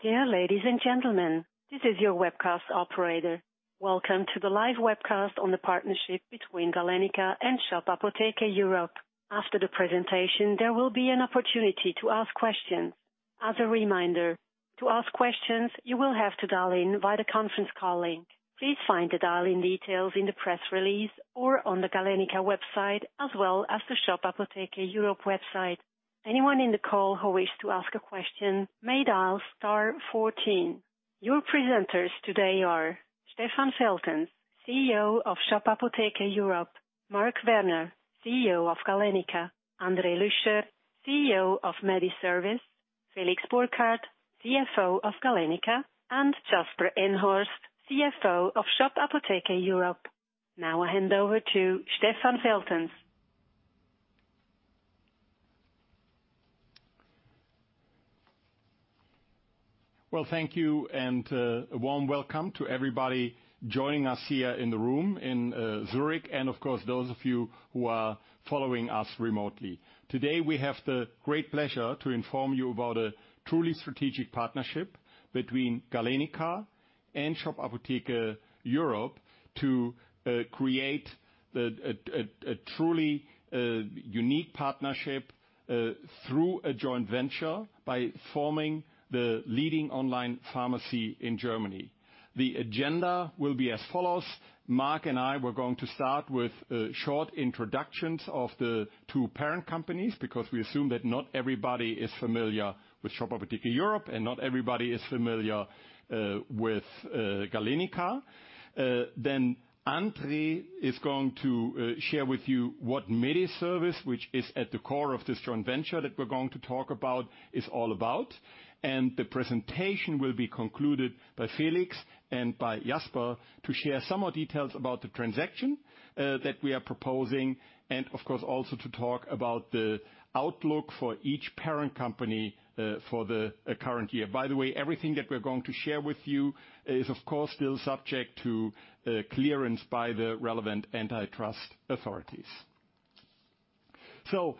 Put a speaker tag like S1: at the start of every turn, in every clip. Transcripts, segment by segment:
S1: Dear ladies and gentlemen, this is your webcast operator. Welcome to the live webcast on the partnership between Galenica and Shop Apotheke Europe. After the presentation, there will be an opportunity to ask questions. As a reminder, to ask questions, you will have to dial in via the conference calling. Please find the dial-in details in the press release or on the Galenica website, as well as the Shop Apotheke Europe website. Anyone in the call who wishes to ask a question may dial star 14. Your presenters today are Stefan Feltens, CEO of Shop Apotheke Europe; Marc Werner, CEO of Galenica; André Lüscher, CEO of Mediservice; Felix Burkhard, CFO of Galenica, and Jasper Eenhorst, CFO of Shop Apotheke Europe. I hand over to Stefan Feltens.
S2: Well, thank you and a warm welcome to everybody joining us here in the room in Zurich, and of course, those of you who are following us remotely. Today, we have the great pleasure to inform you about a truly strategic partnership between Galenica and Shop Apotheke Europe to create a truly unique partnership through a joint venture by forming the leading online pharmacy in Germany. The agenda will be as follows, Marc and I were going to start with short introductions of the two parent companies, because we assume that not everybody is familiar with Shop Apotheke Europe, and not everybody is familiar with Galenica. André is going to share with you what Mediservice, which is at the core of this joint venture that we're going to talk about, is all about. The presentation will be concluded by Felix and by Jasper to share some more details about the transaction that we are proposing, and of course, also to talk about the outlook for each parent company for the current year. By the way, everything that we're going to share with you is of course, still subject to clearance by the relevant antitrust authorities. Well,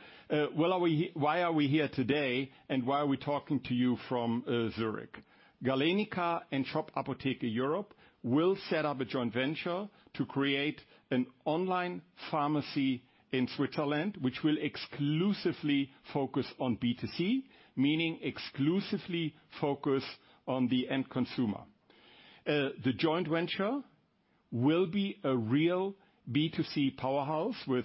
S2: why are we here today and why are we talking to you from Zurich? Galenica and Shop Apotheke Europe will set up a joint venture to create an online pharmacy in Switzerland, which will exclusively focus on B2C, meaning exclusively focus on the end consumer. The joint venture will be a real B2C powerhouse with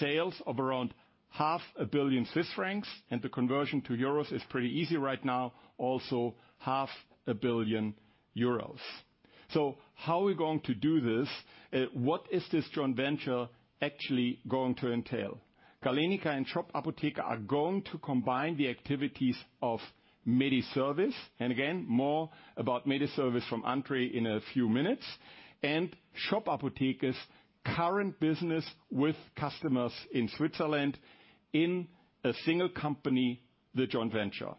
S2: sales of around half a billion CHF, and the conversion to EUR is pretty easy right now, also half a billion EUR. How are we going to do this? What is this joint venture actually going to entail? Galenica and Shop Apotheke are going to combine the activities of Mediservice and Shop Apotheke's current business with customers in Switzerland in a single company, the joint venture. Again,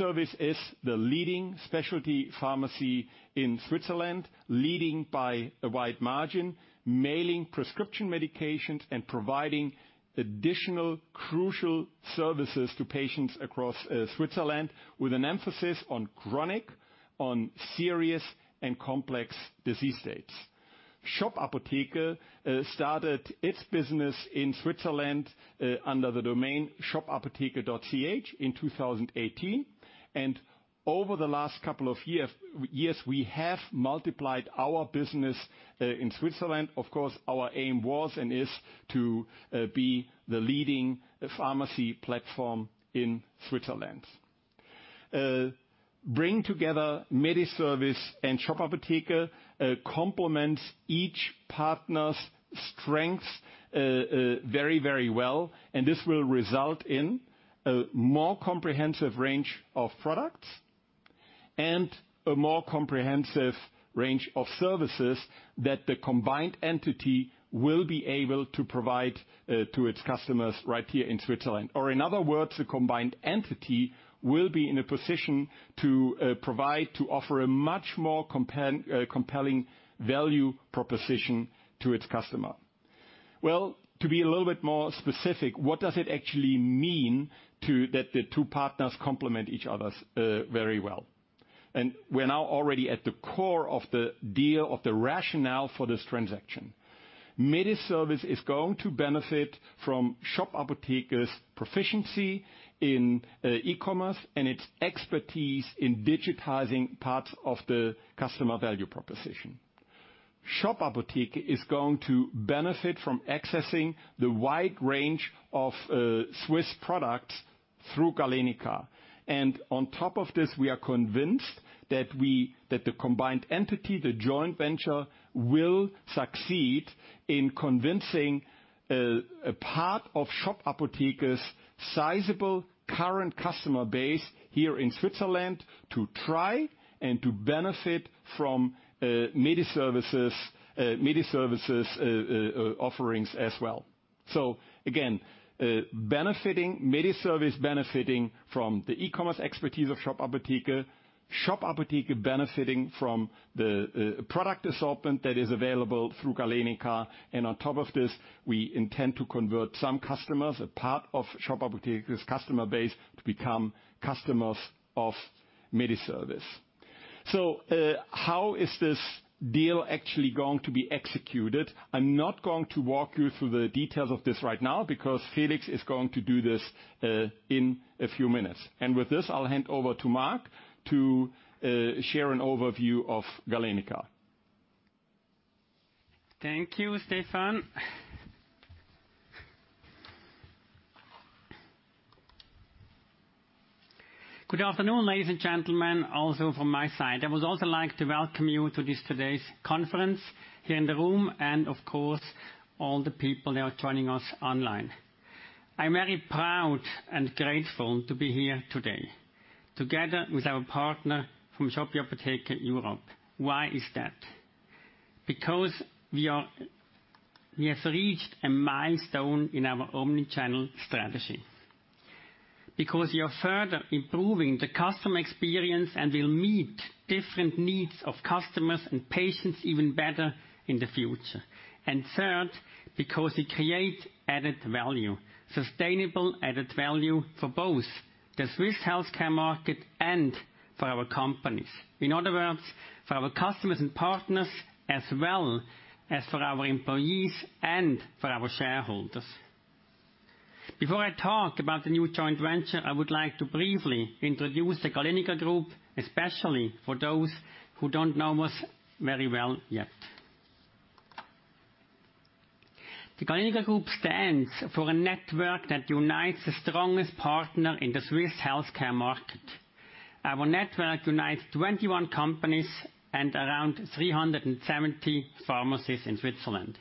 S2: more about Mediservice from André in a few minutes. Mediservice is the leading specialty pharmacy in Switzerland, leading by a wide margin, mailing prescription medications and providing additional crucial services to patients across Switzerland with an emphasis on chronic, serious and complex disease states. Shop Apotheke started its business in Switzerland under the domain shopapotheke.ch in 2018. Over the last couple of years, we have multiplied our business in Switzerland. Of course, our aim was and is to be the leading pharmacy platform in Switzerland. Bring together Mediservice and Shop Apotheke complements each partner's strengths very, very well, and this will result in a more comprehensive range of products and a more comprehensive range of services that the combined entity will be able to provide to its customers right here in Switzerland. In other words, the combined entity will be in a position to provide, to offer a much more compelling value proposition to its customer. Well, to be a little bit more specific, what does it actually mean that the two partners complement each other's very well? We're now already at the core of the deal, of the rationale for this transaction. Mediservice is going to benefit from Shop Apotheke's proficiency in e-commerce and its expertise in digitizing parts of the customer value proposition. Shop Apotheke is going to benefit from accessing the wide range of Swiss products through Galenica. On top of this, we are convinced that the combined entity, the joint venture, will succeed in convincing a part of Shop Apotheke's sizable current customer base here in Switzerland to try and to benefit from Mediservice's offerings as well. Again, Mediservice benefiting from the e-commerce expertise of Shop Apotheke, Shop Apotheke benefiting from the product assortment that is available through Galenica. On top of this, we intend to convert some customers, a part of Shop Apotheke's customer base, to become customers of Mediservice. How is this deal actually going to be executed? I'm not going to walk you through the details of this right now because Felix is going to do this in a few minutes. With this, I'll hand over to Marc to share an overview of Galenica.
S3: Thank you, Stefan. Good afternoon, ladies and gentlemen, also from my side. I would also like to welcome you to this today's conference here in the room and, of course, all the people that are joining us online. I'm very proud and grateful to be here today together with our partner from Shop Apotheke Europe. Why is that? Because we have reached a milestone in our omni-channel strategy. Because we are further improving the customer experience, and we'll meet different needs of customers and patients even better in the future. Third, because we create added value, sustainable added value for both the Swiss healthcare market and for our companies. In other words, for our customers and partners, as well as for our employees and for our shareholders. Before I talk about the new joint venture, I would like to briefly introduce the Galenica Group, especially for those who don't know us very well yet. The Galenica Group stands for a network that unites the strongest partner in the Swiss healthcare market. Our network unites 21 companies and around 370 pharmacies in Switzerland.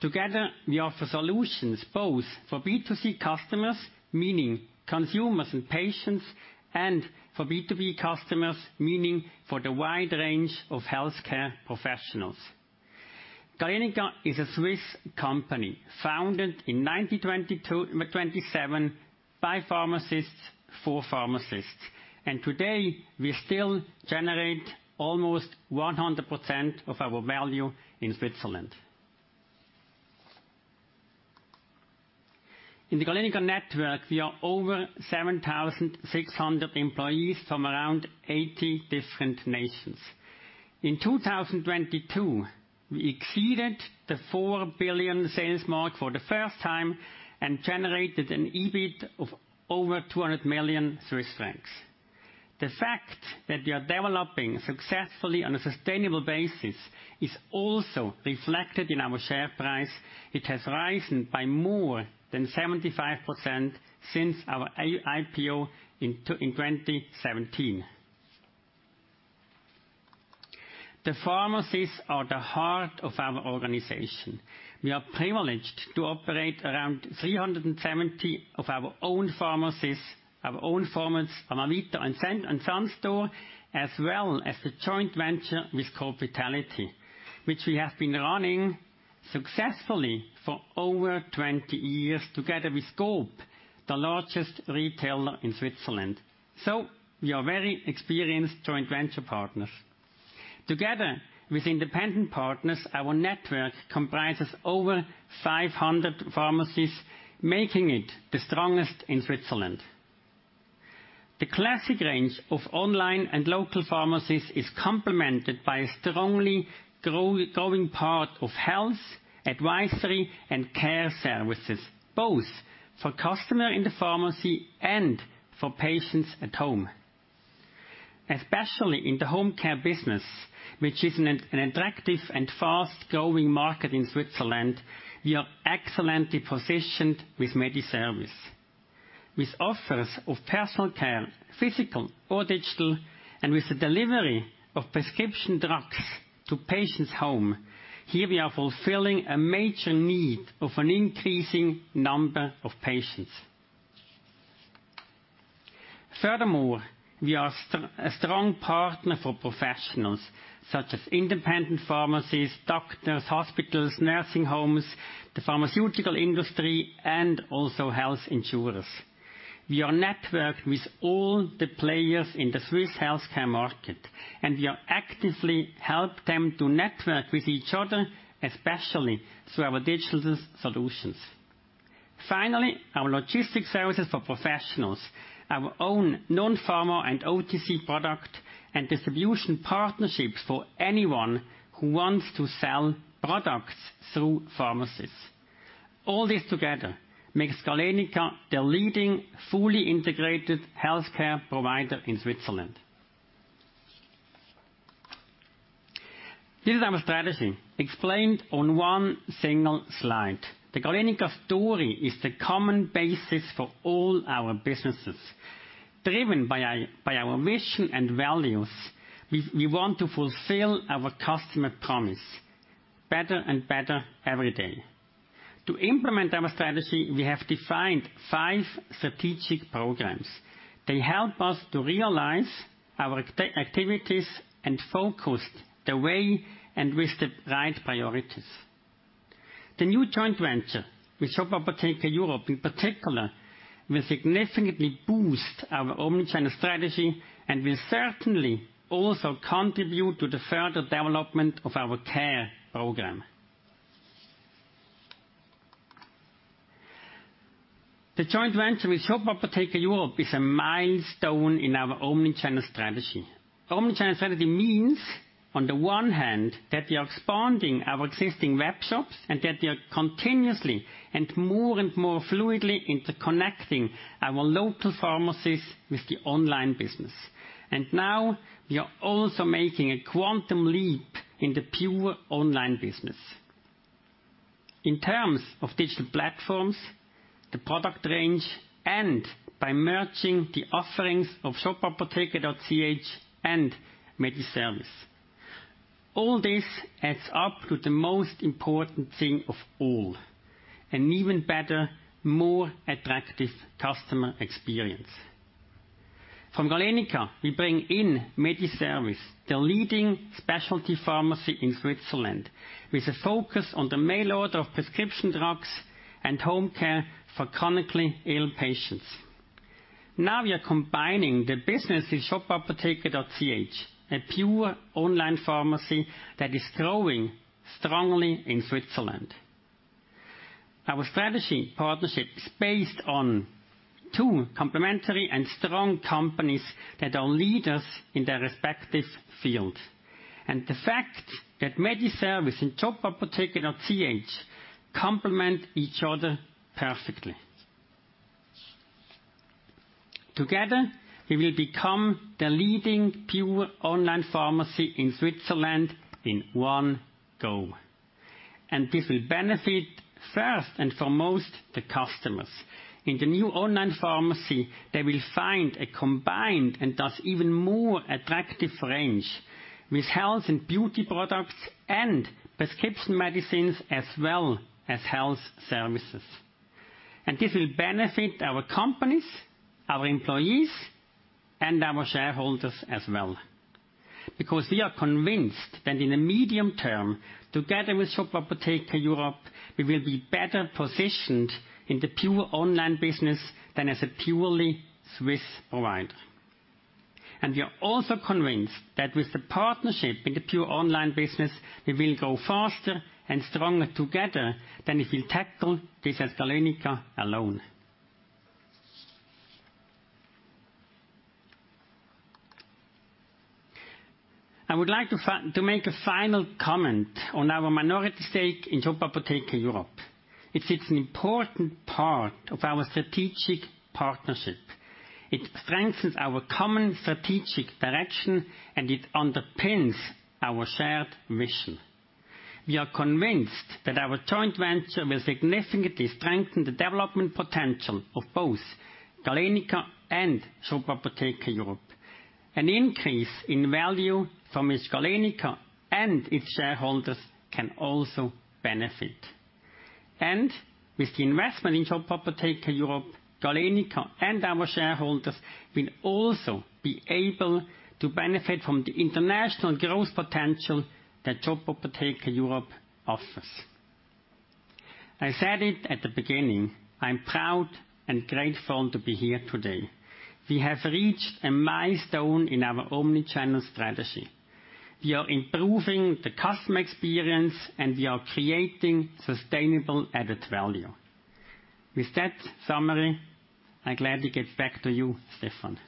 S3: Together, we offer solutions both for B2C customers, meaning consumers and patients, and for B2B customers, meaning for the wide range of healthcare professionals. Galenica is a Swiss company founded in 1927 by pharmacists for pharmacists. Today, we still generate almost 100% of our value in Switzerland. In the Galenica network, we are over 7,600 employees from around 80 different nations. In 2022, we exceeded the 4 billion sales mark for the first time and generated an EBIT of over 200 million Swiss francs. The fact that we are developing successfully on a sustainable basis is also reflected in our share price. It has risen by more than 75% since our IPO in 2017. The pharmacies are the heart of our organization. We are privileged to operate around 370 of our own pharmacies, our own formats, Amavita and Sun Store, as well as the joint venture with Coop Vitality, which we have been running successfully for over 20 years together with Coop, the largest retailer in Switzerland. We are very experienced joint venture partners. Together with independent partners, our network comprises over 500 pharmacies, making it the strongest in Switzerland. The classic range of online and local pharmacies is complemented by a strongly growing part of health, advisory, and care services, both for customer in the pharmacy and for patients at home. Especially in the home care business, which is an attractive and fast-growing market in Switzerland, we are excellently positioned with Mediservice. With offers of personal care, physical or digital, and with the delivery of prescription drugs to patients' home, here we are fulfilling a major need of an increasing number of patients. Furthermore, we are a strong partner for professionals such as independent pharmacies, doctors, hospitals, nursing homes, the pharmaceutical industry, and also health insurers. We are networked with all the players in the Swiss healthcare market, and we are actively help them to network with each other, especially through our digital solutions. Our logistics services for professionals, our own non-pharma and OTC product and distribution partnerships for anyone who wants to sell products through pharmacies. All this together makes Galenica the leading fully integrated healthcare provider in Switzerland. This is our strategy explained on one single slide. The Galenica story is the common basis for all our businesses. Driven by our mission and values, we want to fulfill our customer promise better and better every day. To implement our strategy, we have defined five strategic programs. They help us to realize our activities and focus the way and with the right priorities. The new joint venture with Shop Apotheke Europe in particular, will significantly boost our omni-channel strategy and will certainly also contribute to the further development of our care program. The joint venture with Shop Apotheke Europe is a milestone in our omni-channel strategy. Omni-channel strategy means, on the one hand, that we are expanding our existing webshops and that we are continuously and more and more fluidly interconnecting our local pharmacies with the online business. Now we are also making a quantum leap in the pure online business. In terms of digital platforms, the product range, and by merging the offerings of shop-apotheke.ch and Mediservice. All this adds up to the most important thing of all, an even better, more attractive customer experience. From Galenica, we bring in Mediservice, the leading specialty pharmacy in Switzerland, with a focus on the mail order of prescription drugs and home care for chronically ill patients. Now we are combining the business with shop-apotheke.ch, a pure online pharmacy that is growing strongly in Switzerland. Our strategy partnership is based on two complementary and strong companies that are leaders in their respective field, and the fact that Mediservice and shop-apotheke.ch complement each other perfectly. Together, we will become the leading pure online pharmacy in Switzerland in one go, and this will benefit first and foremost the customers. In the new online pharmacy, they will find a combined and thus even more attractive range with health and beauty products and prescription medicines, as well as health services. This will benefit our companies, our employees, and our shareholders as well. We are convinced that in the medium term, together with Shop Apotheke Europe, we will be better positioned in the pure online business than as a purely Swiss provider. We are also convinced that with the partnership in the pure online business, we will grow faster and stronger together than if we tackle this as Galenica alone. I would like to make a final comment on our minority stake in Shop Apotheke Europe. It is an important part of our strategic partnership. It strengthens our common strategic direction, and it underpins our shared mission. We are convinced that our joint venture will significantly strengthen the development potential of both Galenica and Shop Apotheke Europe. An increase in value from which Galenica and its shareholders can also benefit. With the investment in Shop Apotheke Europe, Galenica and our shareholders will also be able to benefit from the international growth potential that Shop Apotheke Europe offers. I said it at the beginning, I'm proud and grateful to be here today. We have reached a milestone in our omni-channel strategy. We are improving the customer experience, and we are creating sustainable added value. With that summary, I gladly get back to you, Stefan.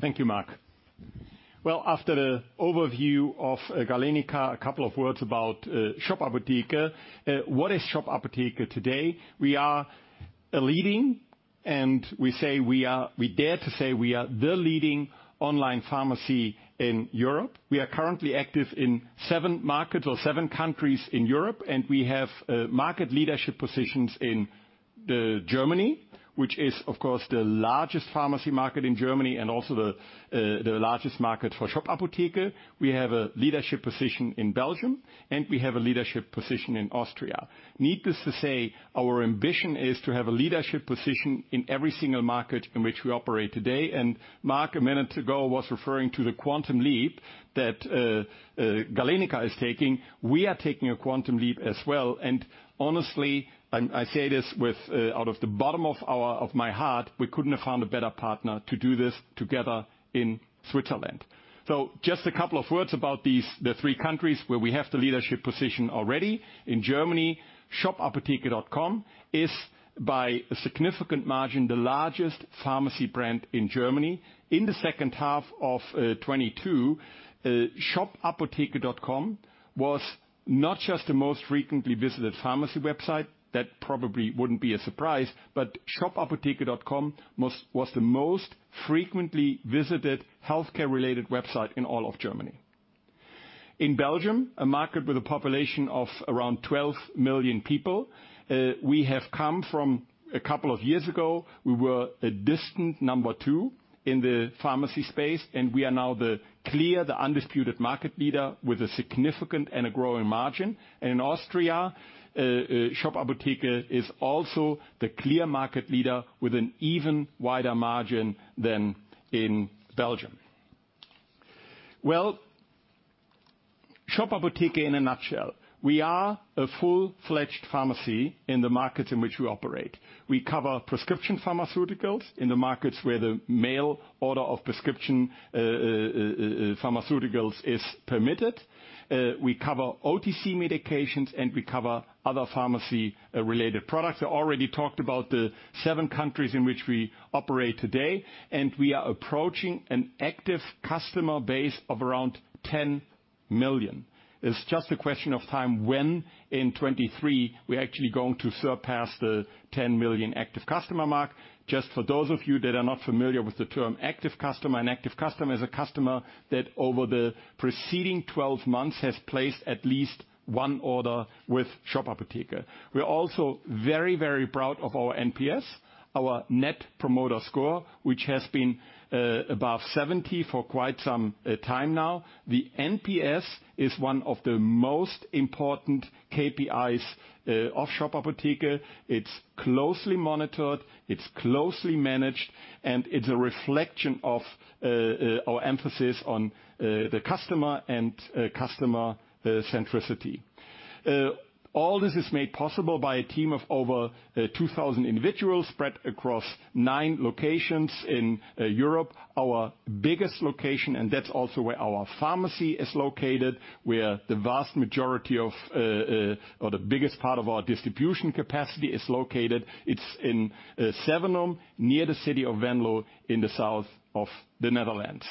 S2: Thank you, Marc. After the overview of Galenica, a couple of words about Shop Apotheke. What is Shop Apotheke today? We are a leading, we dare to say we are the leading online pharmacy in Europe. We are currently active in seven markets or seven countries in Europe, we have market leadership positions in Germany, which is of course the largest pharmacy market in Germany and also the largest market for Shop Apotheke. We have a leadership position in Belgium, we have a leadership position in Austria. Needless to say, our ambition is to have a leadership position in every single market in which we operate today. Marc, a minute ago, was referring to the quantum leap that Galenica is taking. We are taking a quantum leap as well. Honestly, I say this out of the bottom of my heart, we couldn't have found a better partner to do this together in Switzerland. Just a couple of words about the three countries where we have the leadership position already. In Germany, shop-apotheke.com is by a significant margin, the largest pharmacy brand in Germany. In the H2 of 2022, shop-apotheke.com was not just the most frequently visited pharmacy website. That probably wouldn't be a surprise, but shop-apotheke.com was the most frequently visited healthcare-related website in all of Germany. In Belgium, a market with a population of around 12 million people, we have come from a couple of years ago, we were a distant number two in the pharmacy space, and we are now the undisputed market leader with a significant and a growing margin. In Austria, Shop Apotheke is also the clear market leader with an even wider margin than in Belgium. Well, Shop Apotheke in a nutshell. We are a full-fledged pharmacy in the markets in which we operate. We cover prescription pharmaceuticals in the markets where the mail order of prescription pharmaceuticals is permitted. We cover OTC medications, and we cover other pharmacy-related products. I already talked about the seven countries in which we operate today, and we are approaching an active customer base of around 10 million. It's just a question of time when in 2023 we're actually going to surpass the 10 million active customer mark. Just for those of you that are not familiar with the term active customer, an active customer is a customer that over the preceding 12 months has placed at least one order with Shop Apotheke. We're also very, very proud of our NPS, our net promoter score, which has been above 70 for quite some time now. The NPS is one of the most important KPIs of Shop Apotheke. It's closely monitored, it's closely managed, and it's a reflection of our emphasis on the customer and customer centricity. All this is made possible by a team of over 2,000 individuals spread across nine locations in Europe. Our biggest location, and that's also where our pharmacy is located, where the vast majority of or the biggest part of our distribution capacity is located. It's in Sevenum, near the city of Venlo in the south of the Netherlands.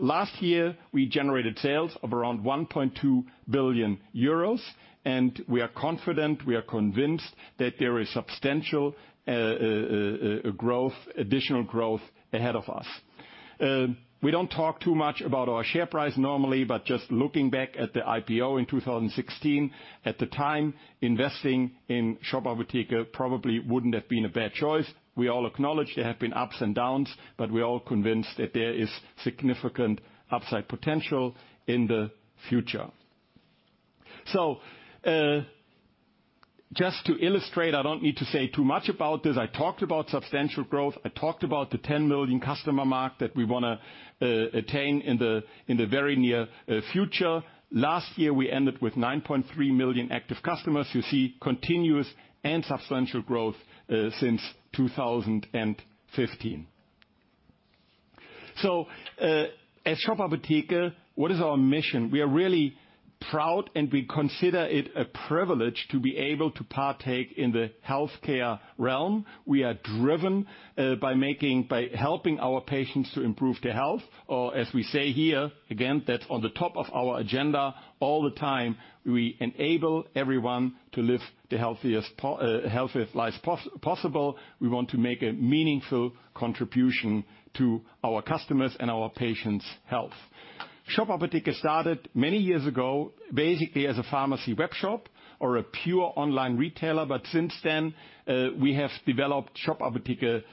S2: Last year, we generated sales of around 1.2 billion euros, and we are confident, we are convinced that there is substantial growth, additional growth ahead of us. We don't talk too much about our share price normally, just looking back at the IPO in 2016, at the time, investing in Shop Apotheke probably wouldn't have been a bad choice. We all acknowledge there have been ups and downs, we're all convinced that there is significant upside potential in the future. Just to illustrate, I don't need to say too much about this. I talked about substantial growth. I talked about the 10 million customer mark that we wanna attain in the very near future. Last year, we ended with 9.3 million active customers. You see continuous and substantial growth since 2015. As Shop Apotheke, what is our mission? We are really proud, and we consider it a privilege to be able to partake in the healthcare realm. We are driven by helping our patients to improve their health, or as we say here, again, that's on the top of our agenda all the time. We enable everyone to live the healthiest life possible. We want to make a meaningful contribution to our customers' and our patients' health. Shop Apotheke started many years ago, basically as a pharmacy web shop or a pure online retailer, since then, we have developed Shop Apotheke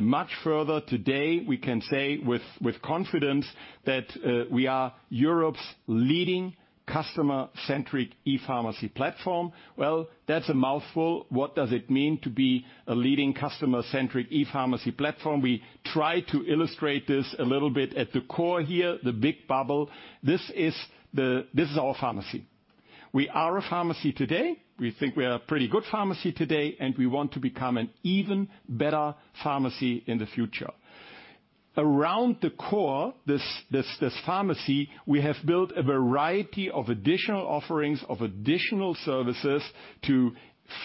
S2: much further. Today, we can say with confidence that we are Europe's leading customer-centric e-pharmacy platform. Well, that's a mouthful. What does it mean to be a leading customer-centric e-pharmacy platform? We try to illustrate this a little bit at the core here, the big bubble. This is our pharmacy. We are a pharmacy today. We think we are a pretty good pharmacy today, and we want to become an even better pharmacy in the future. Around the core, this pharmacy, we have built a variety of additional offerings, of additional services to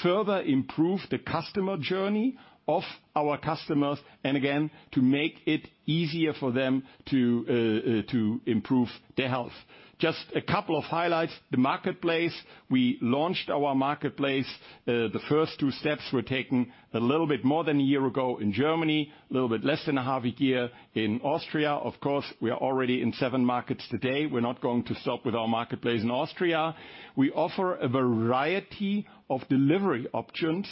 S2: further improve the customer journey of our customers, and again, to make it easier for them to improve their health. Just a couple of highlights. The marketplace, we launched our marketplace. The first two steps were taken a little bit more than a year ago in Germany, a little bit less than half a year in Austria. Of course, we are already in seven markets today. We're not going to stop with our marketplace in Austria. We offer a variety of delivery options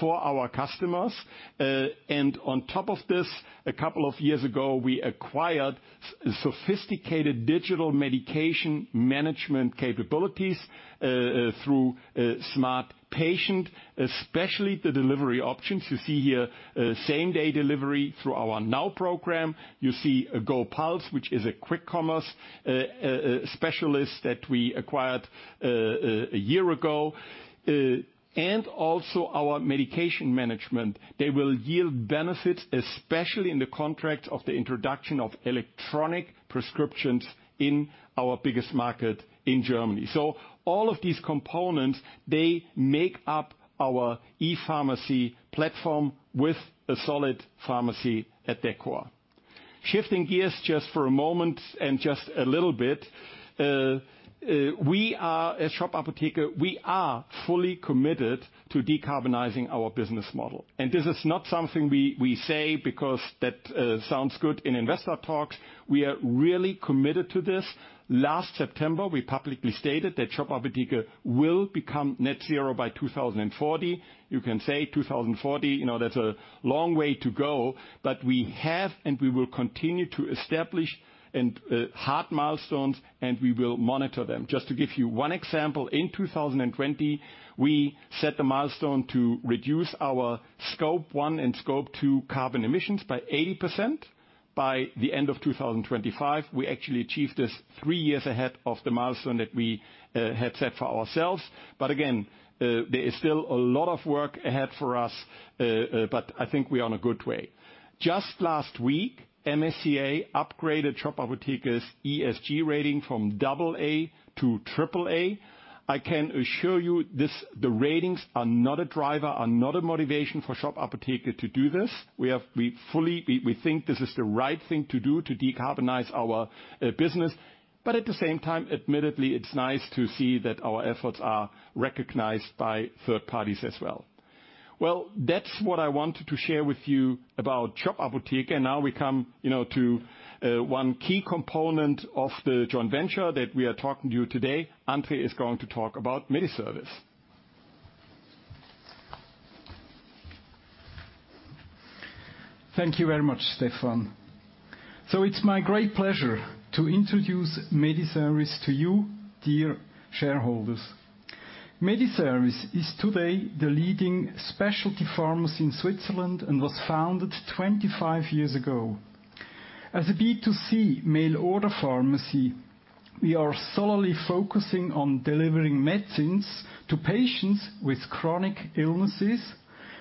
S2: for our customers. And on top of this, a couple of years ago, we acquired sophisticated digital medication management capabilities through smartpatient, especially the delivery options. You see here, same-day delivery through our Now! program. You see GoPuls, which is a quick commerce specialist that we acquired a year ago. Also our medication management. They will yield benefits, especially in the context of the introduction of electronic prescriptions in our biggest market in Germany. All of these components, they make up our e-pharmacy platform with a solid pharmacy at their core. Shifting gears just for a moment and just a little bit, we are, at Shop Apotheke, we are fully committed to decarbonizing our business model. This is not something we say because that sounds good in investor talks. We are really committed to this. Last September, we publicly stated that Shop Apotheke will become net zero by 2040. You can say 2040, you know, that's a long way to go, but we have, and we will continue to establish and hard milestones, and we will monitor them. Just to give you one example, in 2020, we set the milestone to reduce our Scope 1 and Scope 2 carbon emissions by 80% by the end of 2025. We actually achieved this three years ahead of the milestone that we had set for ourselves. Again, there is still a lot of work ahead for us, but I think we are on a good way. Just last week, MSCI upgraded Shop Apotheke's ESG rating from double A to triple A. I can assure you this, the ratings are not a driver, are not a motivation for Shop Apotheke to do this. We think this is the right thing to do to decarbonize our business. At the same time, admittedly, it's nice to see that our efforts are recognized by third parties as well. That's what I wanted to share with you about Shop Apotheke, and now we come, you know, to one key component of the joint venture that we are talking to you today. André is going to talk about Mediservice.
S4: Thank you very much, Stefan. It's my great pleasure to introduce Mediservice to you, dear shareholders. Mediservice is today the leading specialty pharmacy in Switzerland and was founded 25 years ago. As a B2C mail-order pharmacy, we are solely focusing on delivering medicines to patients with chronic illnesses,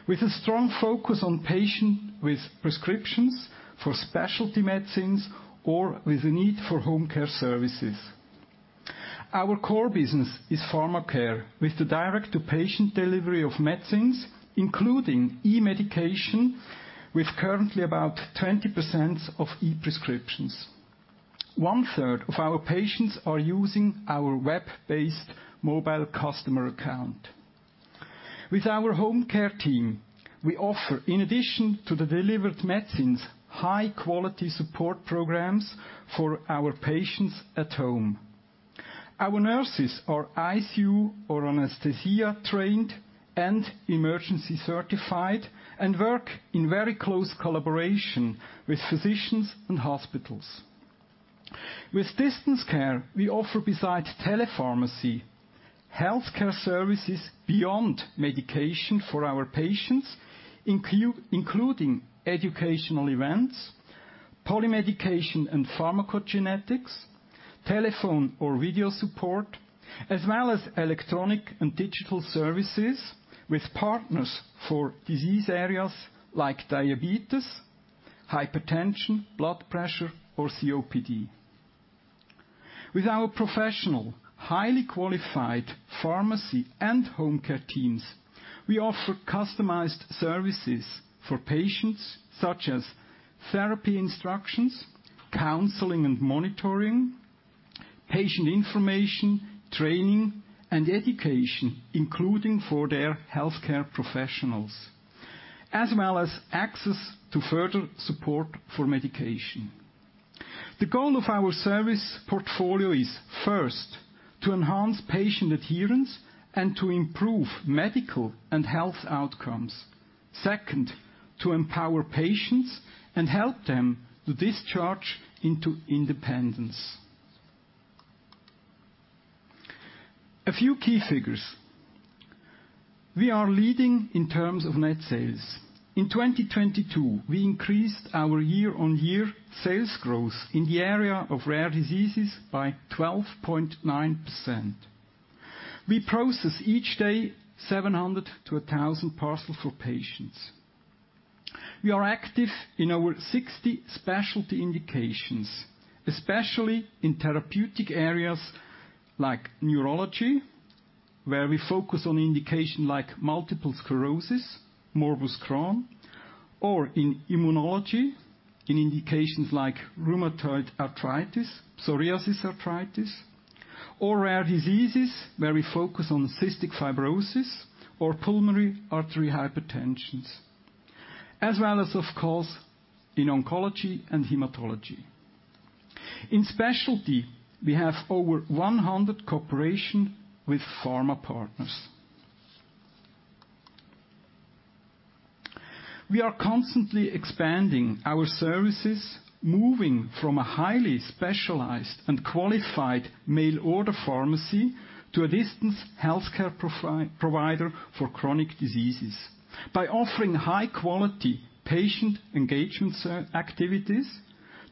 S4: with a strong focus on patients with prescriptions for specialty medicines or with a need for home care services. Our core business is pharma care, with the direct-to-patient delivery of medicines, including e-medication, with currently about 20% of e-prescriptions. 1/3 of our patients are using our web-based mobile customer account. With our home care team, we offer, in addition to the delivered medicines, high-quality support programs for our patients at home. Our nurses are ICU or anesthesia trained and emergency certified and work in very close collaboration with physicians and hospitals. With distance care, we offer besides tele-pharmacy, healthcare services beyond medication for our patients, including educational events, polymedication, and pharmacogenetics, telephone or video support, as well as electronic and digital services with partners for disease areas like diabetes, hypertension, blood pressure, or COPD. With our professional, highly qualified pharmacy and home care teams, we offer customized services for patients, such as therapy instructions, counseling and monitoring, patient information, training, and education, including for their healthcare professionals, as well as access to further support for medication. The goal of our service portfolio is, first, to enhance patient adherence and to improve medical and health outcomes. Second, to empower patients and help them to discharge into independence. A few key figures. We are leading in terms of net sales. In 2022, we increased our year-on-year sales growth in the area of rare diseases by 12.9%. We process each day 700-1,000 parcels for patients. We are active in over 60 specialty indications, especially in therapeutic areas like neurology, where we focus on indications like multiple sclerosis, Morbus Crohn, or in immunology, in indications like rheumatoid arthritis, psoriatic arthritis, or rare diseases, where we focus on cystic fibrosis or pulmonary artery hypertension, as well as of course, in oncology and hematology. In specialty, we have over 100 cooperation with pharma partners. We are constantly expanding our services, moving from a highly specialized and qualified mail-order pharmacy to a distance healthcare provider for chronic diseases by offering high-quality patient engagement activities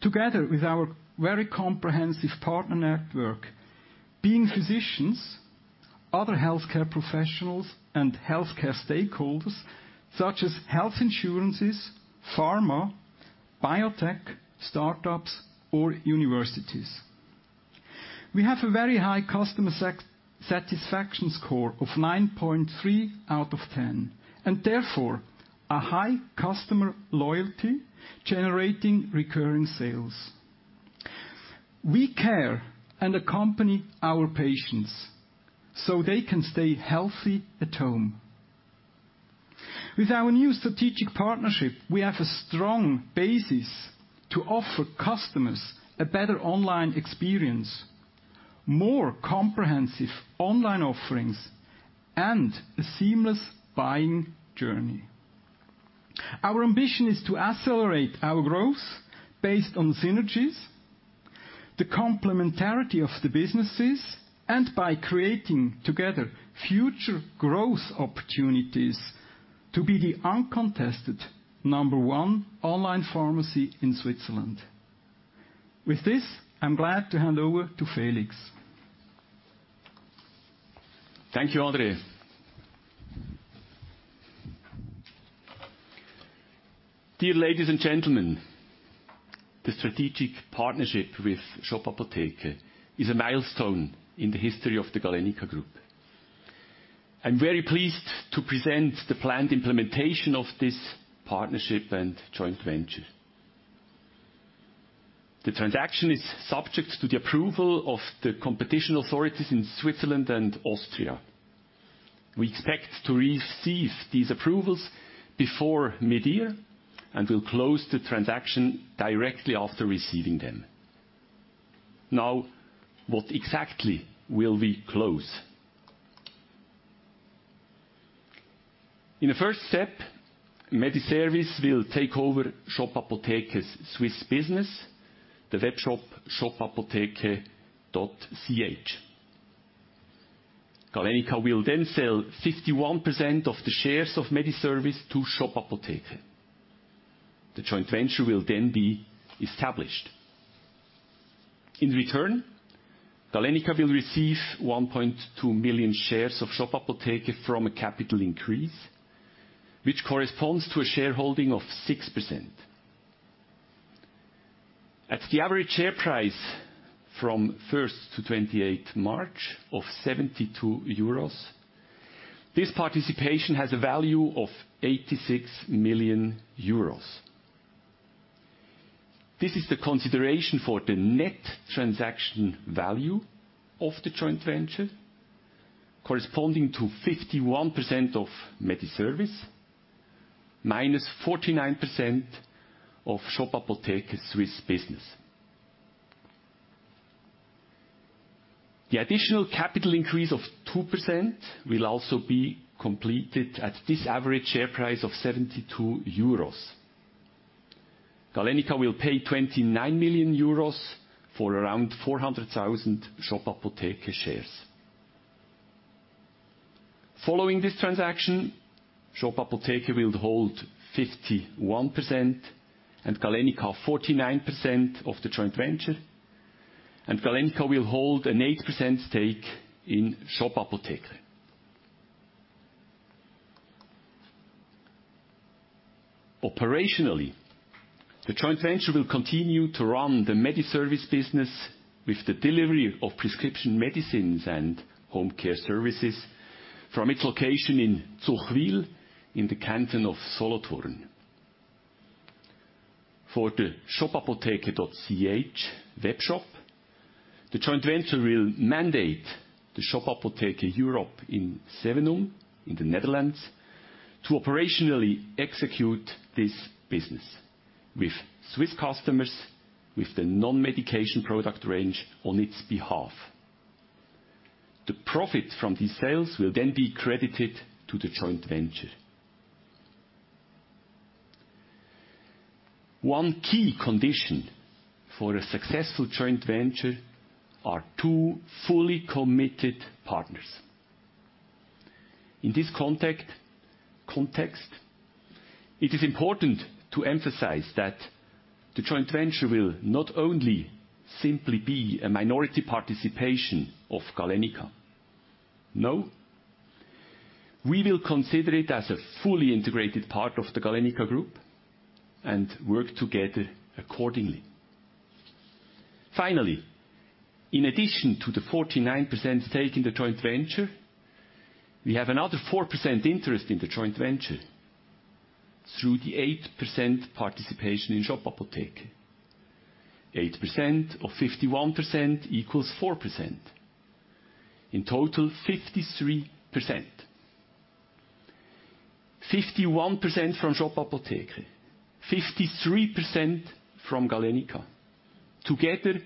S4: together with our very comprehensive partner network, being physicians, other healthcare professionals, and healthcare stakeholders, such as health insurances, pharma, biotech, startups, or universities. We have a very high customer satisfaction score of 9.3 out of 10 and therefore a high customer loyalty generating recurring sales. We care and accompany our patients so they can stay healthy at home. With our new strategic partnership, we have a strong basis to offer customers a better online experience, more comprehensive online offerings, and a seamless buying journey. Our ambition is to accelerate our growth based on synergies, the complementarity of the businesses, and by creating together future growth opportunities to be the uncontested number 1 online pharmacy in Switzerland. With this, I'm glad to hand over to Felix.
S5: Thank you, André. Dear ladies and gentlemen, the strategic partnership with Shop Apotheke is a milestone in the history of the Galenica Group. I'm very pleased to present the planned implementation of this partnership and joint venture. The transaction is subject to the approval of the competition authorities in Switzerland and Austria. We expect to receive these approvals before mid-year, and we'll close the transaction directly after receiving them. What exactly will we close? In the first step, Mediservice will take over Shop Apotheke's Swiss business, the webshop shop-apotheke.ch. Galenica will then sell 51% of the shares of Mediservice to Shop Apotheke. The joint venture will then be established. In return, Galenica will receive 1.2 million shares of Shop Apotheke from a capital increase, which corresponds to a shareholding of 6%. At the average share price from 1st to 28th March of 72 euros, this participation has a value of 86 million euros. This is the consideration for the net transaction value of the joint venture corresponding to 51% of Mediservice minus 49% of Shop Apotheke's Swiss business. The additional capital increase of 2% will also be completed at this average share price of 72 euros. Galenica will pay 29 million euros for around 400,000 Shop Apotheke shares. Following this transaction, Shop Apotheke will hold 51% and Galenica 49% of the joint venture, and Galenica will hold an 8% stake in Shop Apotheke. Operationally, the joint venture will continue to run the Mediservice business with the delivery of prescription medicines and home care services from its location in Zuchwil in the canton of Solothurn. For the shop-apotheke.ch webshop, the joint venture will mandate the Shop Apotheke Europe in Zevenhuizen in the Netherlands to operationally execute this business with Swiss customers with the non-medication product range on its behalf. The profit from these sales will be credited to the joint venture. One key condition for a successful joint venture are two fully committed partners. In this context, it is important to emphasize that the joint venture will not only simply be a minority participation of Galenica. No. We will consider it as a fully integrated part of the Galenica Group and work together accordingly. In addition to the 49% stake in the joint venture, we have another 4% interest in the joint venture through the 8% participation in Shop Apotheke. 8% of 51% equals 4%. In total, 53%. 51% from Shop Apotheke, 53% from Galenica. Together,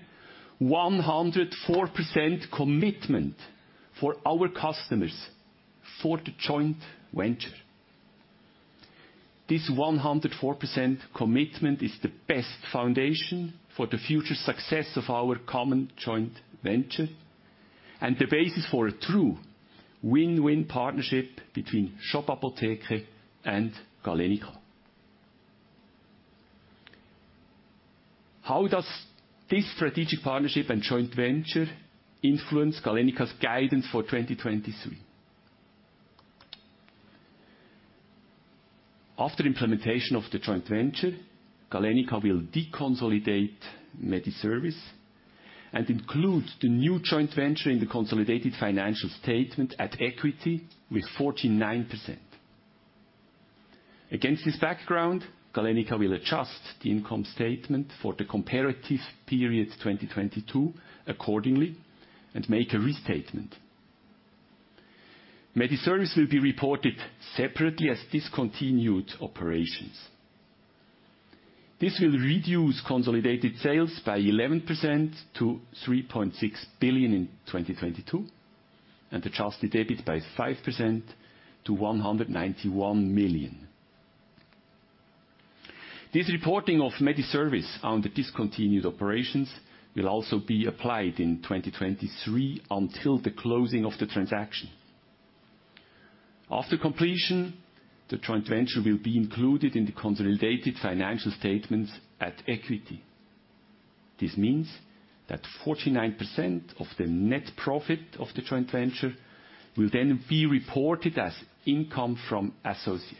S5: 104% commitment for our customers for the joint venture. This 104% commitment is the best foundation for the future success of our common joint venture and the basis for a true win-win partnership between Shop Apotheke and Galenica. How does this strategic partnership and joint venture influence Galenica's guidance for 2023? After implementation of the joint venture, Galenica will deconsolidate Mediservice and include the new joint venture in the consolidated financial statement at equity with 49%. Against this background, Galenica will adjust the income statement for the comparative period 2022 accordingly and make a restatement. Mediservice will be reported separately as discontinued operations. This will reduce consolidated sales by 11% to 3.6 billion in 2022, and adjusted EBIT by 5% to 191 million. This reporting of Mediservice on the discontinued operations will also be applied in 2023 until the closing of the transaction. After completion, the joint venture will be included in the consolidated financial statements at equity. This means that 49% of the net profit of the joint venture will then be reported as income from associates.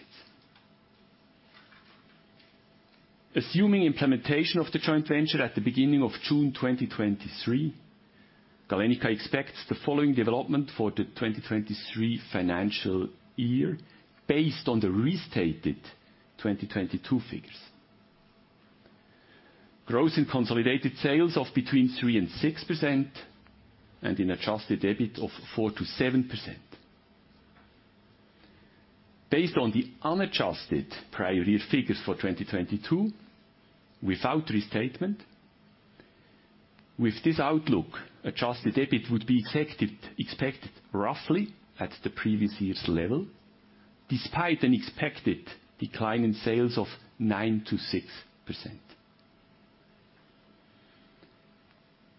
S5: Assuming implementation of the joint venture at the beginning of June 2023, Galenica expects the following development for the 2023 financial year based on the restated 2022 figures. Growth in consolidated sales of between 3%-6% and an adjusted EBIT of 4%-7%. Based on the unadjusted prior year figures for 2022, without restatement, with this outlook, adjusted EBIT would be expected roughly at the previous year's level, despite an expected decline in sales of 9%-6%.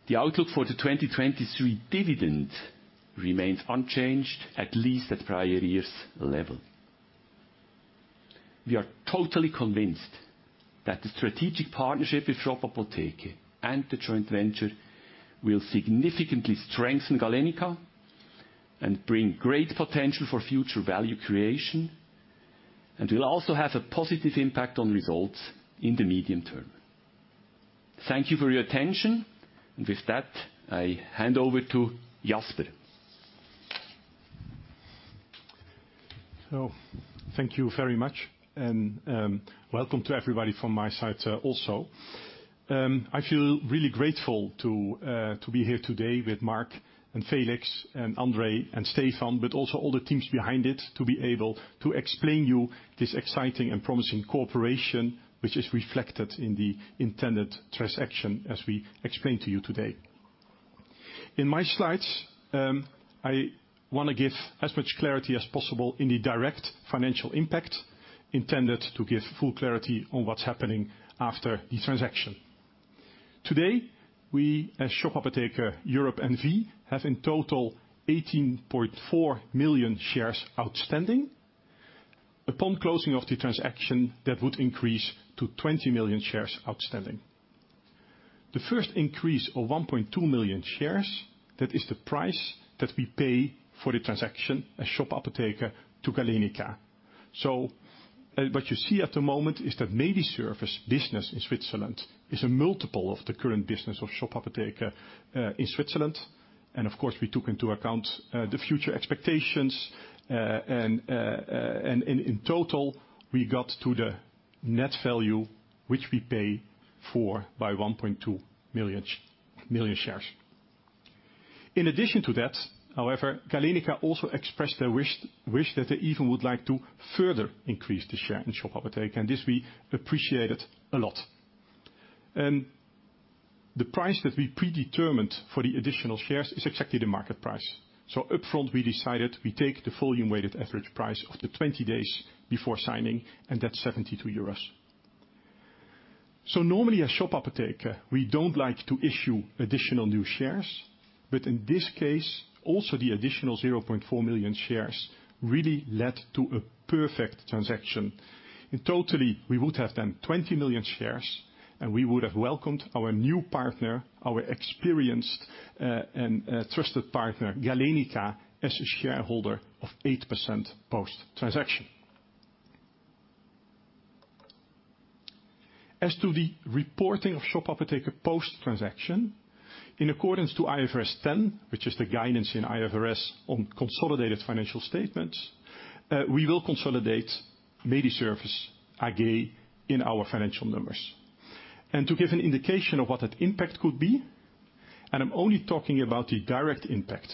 S5: The outlook for the 2023 dividend remains unchanged, at least at prior year's level. We are totally convinced that the strategic partnership with Shop Apotheke and the joint venture will significantly strengthen Galenica and bring great potential for future value creation, and will also have a positive impact on results in the medium term. Thank you for your attention. With that, I hand over to Jasper.
S6: Thank you very much, and welcome to everybody from my side, also. I feel really grateful to be here today with Marc and Felix and André and Stefan, but also all the teams behind it, to be able to explain you this exciting and promising cooperation, which is reflected in the intended transaction, as we explained to you today. In my slides, I wanna give as much clarity as possible in the direct financial impact intended to give full clarity on what's happening after the transaction. Today, we at Shop Apotheke Europe N.V., have in total 18.4 million shares outstanding. Upon closing of the transaction, that would increase to 20 million shares outstanding. The first increase of 1.2 million shares, that is the price that we pay for the transaction as Shop Apotheke to Galenica. What you see at the moment is the Mediservice business in Switzerland is a multiple of the current business of Shop Apotheke in Switzerland. Of course, we took into account the future expectations. In total, we got to the net value, which we pay for by 1.2 million shares. In addition to that, however, Galenica also expressed their wish that they even would like to further increase the share in Shop Apotheke, this we appreciated a lot. The price that we predetermined for the additional shares is exactly the market price. Upfront, we decided we take the volume-weighted average price of the 20 days before signing, that's 72 euros. Normally at Shop Apotheke, we don't like to issue additional new shares, but in this case, also the additional 0.4 million shares really led to a perfect transaction. In totally, we would have then 20 million shares, and we would have welcomed our new partner, our experienced and trusted partner, Galenica, as a shareholder of 8% post-transaction. As to the reporting of Shop Apotheke post-transaction, in accordance to IFRS 10, which is the guidance in IFRS on consolidated financial statements, we will consolidate Mediservice AG in our financial numbers. To give an indication of what that impact could be, and I'm only talking about the direct impact.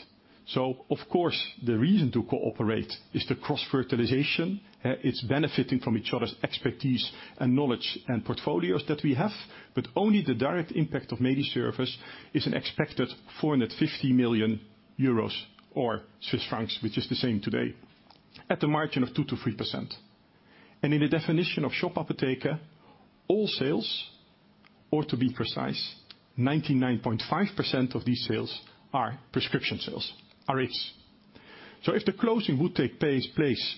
S6: Of course, the reason to cooperate is the cross-fertilization. It's benefiting from each other's expertise and knowledge and portfolios that we have, but only the direct impact of Mediservice is an expected 450 million euros or CHF 450 million, which is the same today, at the margin of 2%-3%. In the definition of Shop Apotheke, all sales, or to be precise, 99.5% of these sales are prescription sales, Rx. If the closing would take place,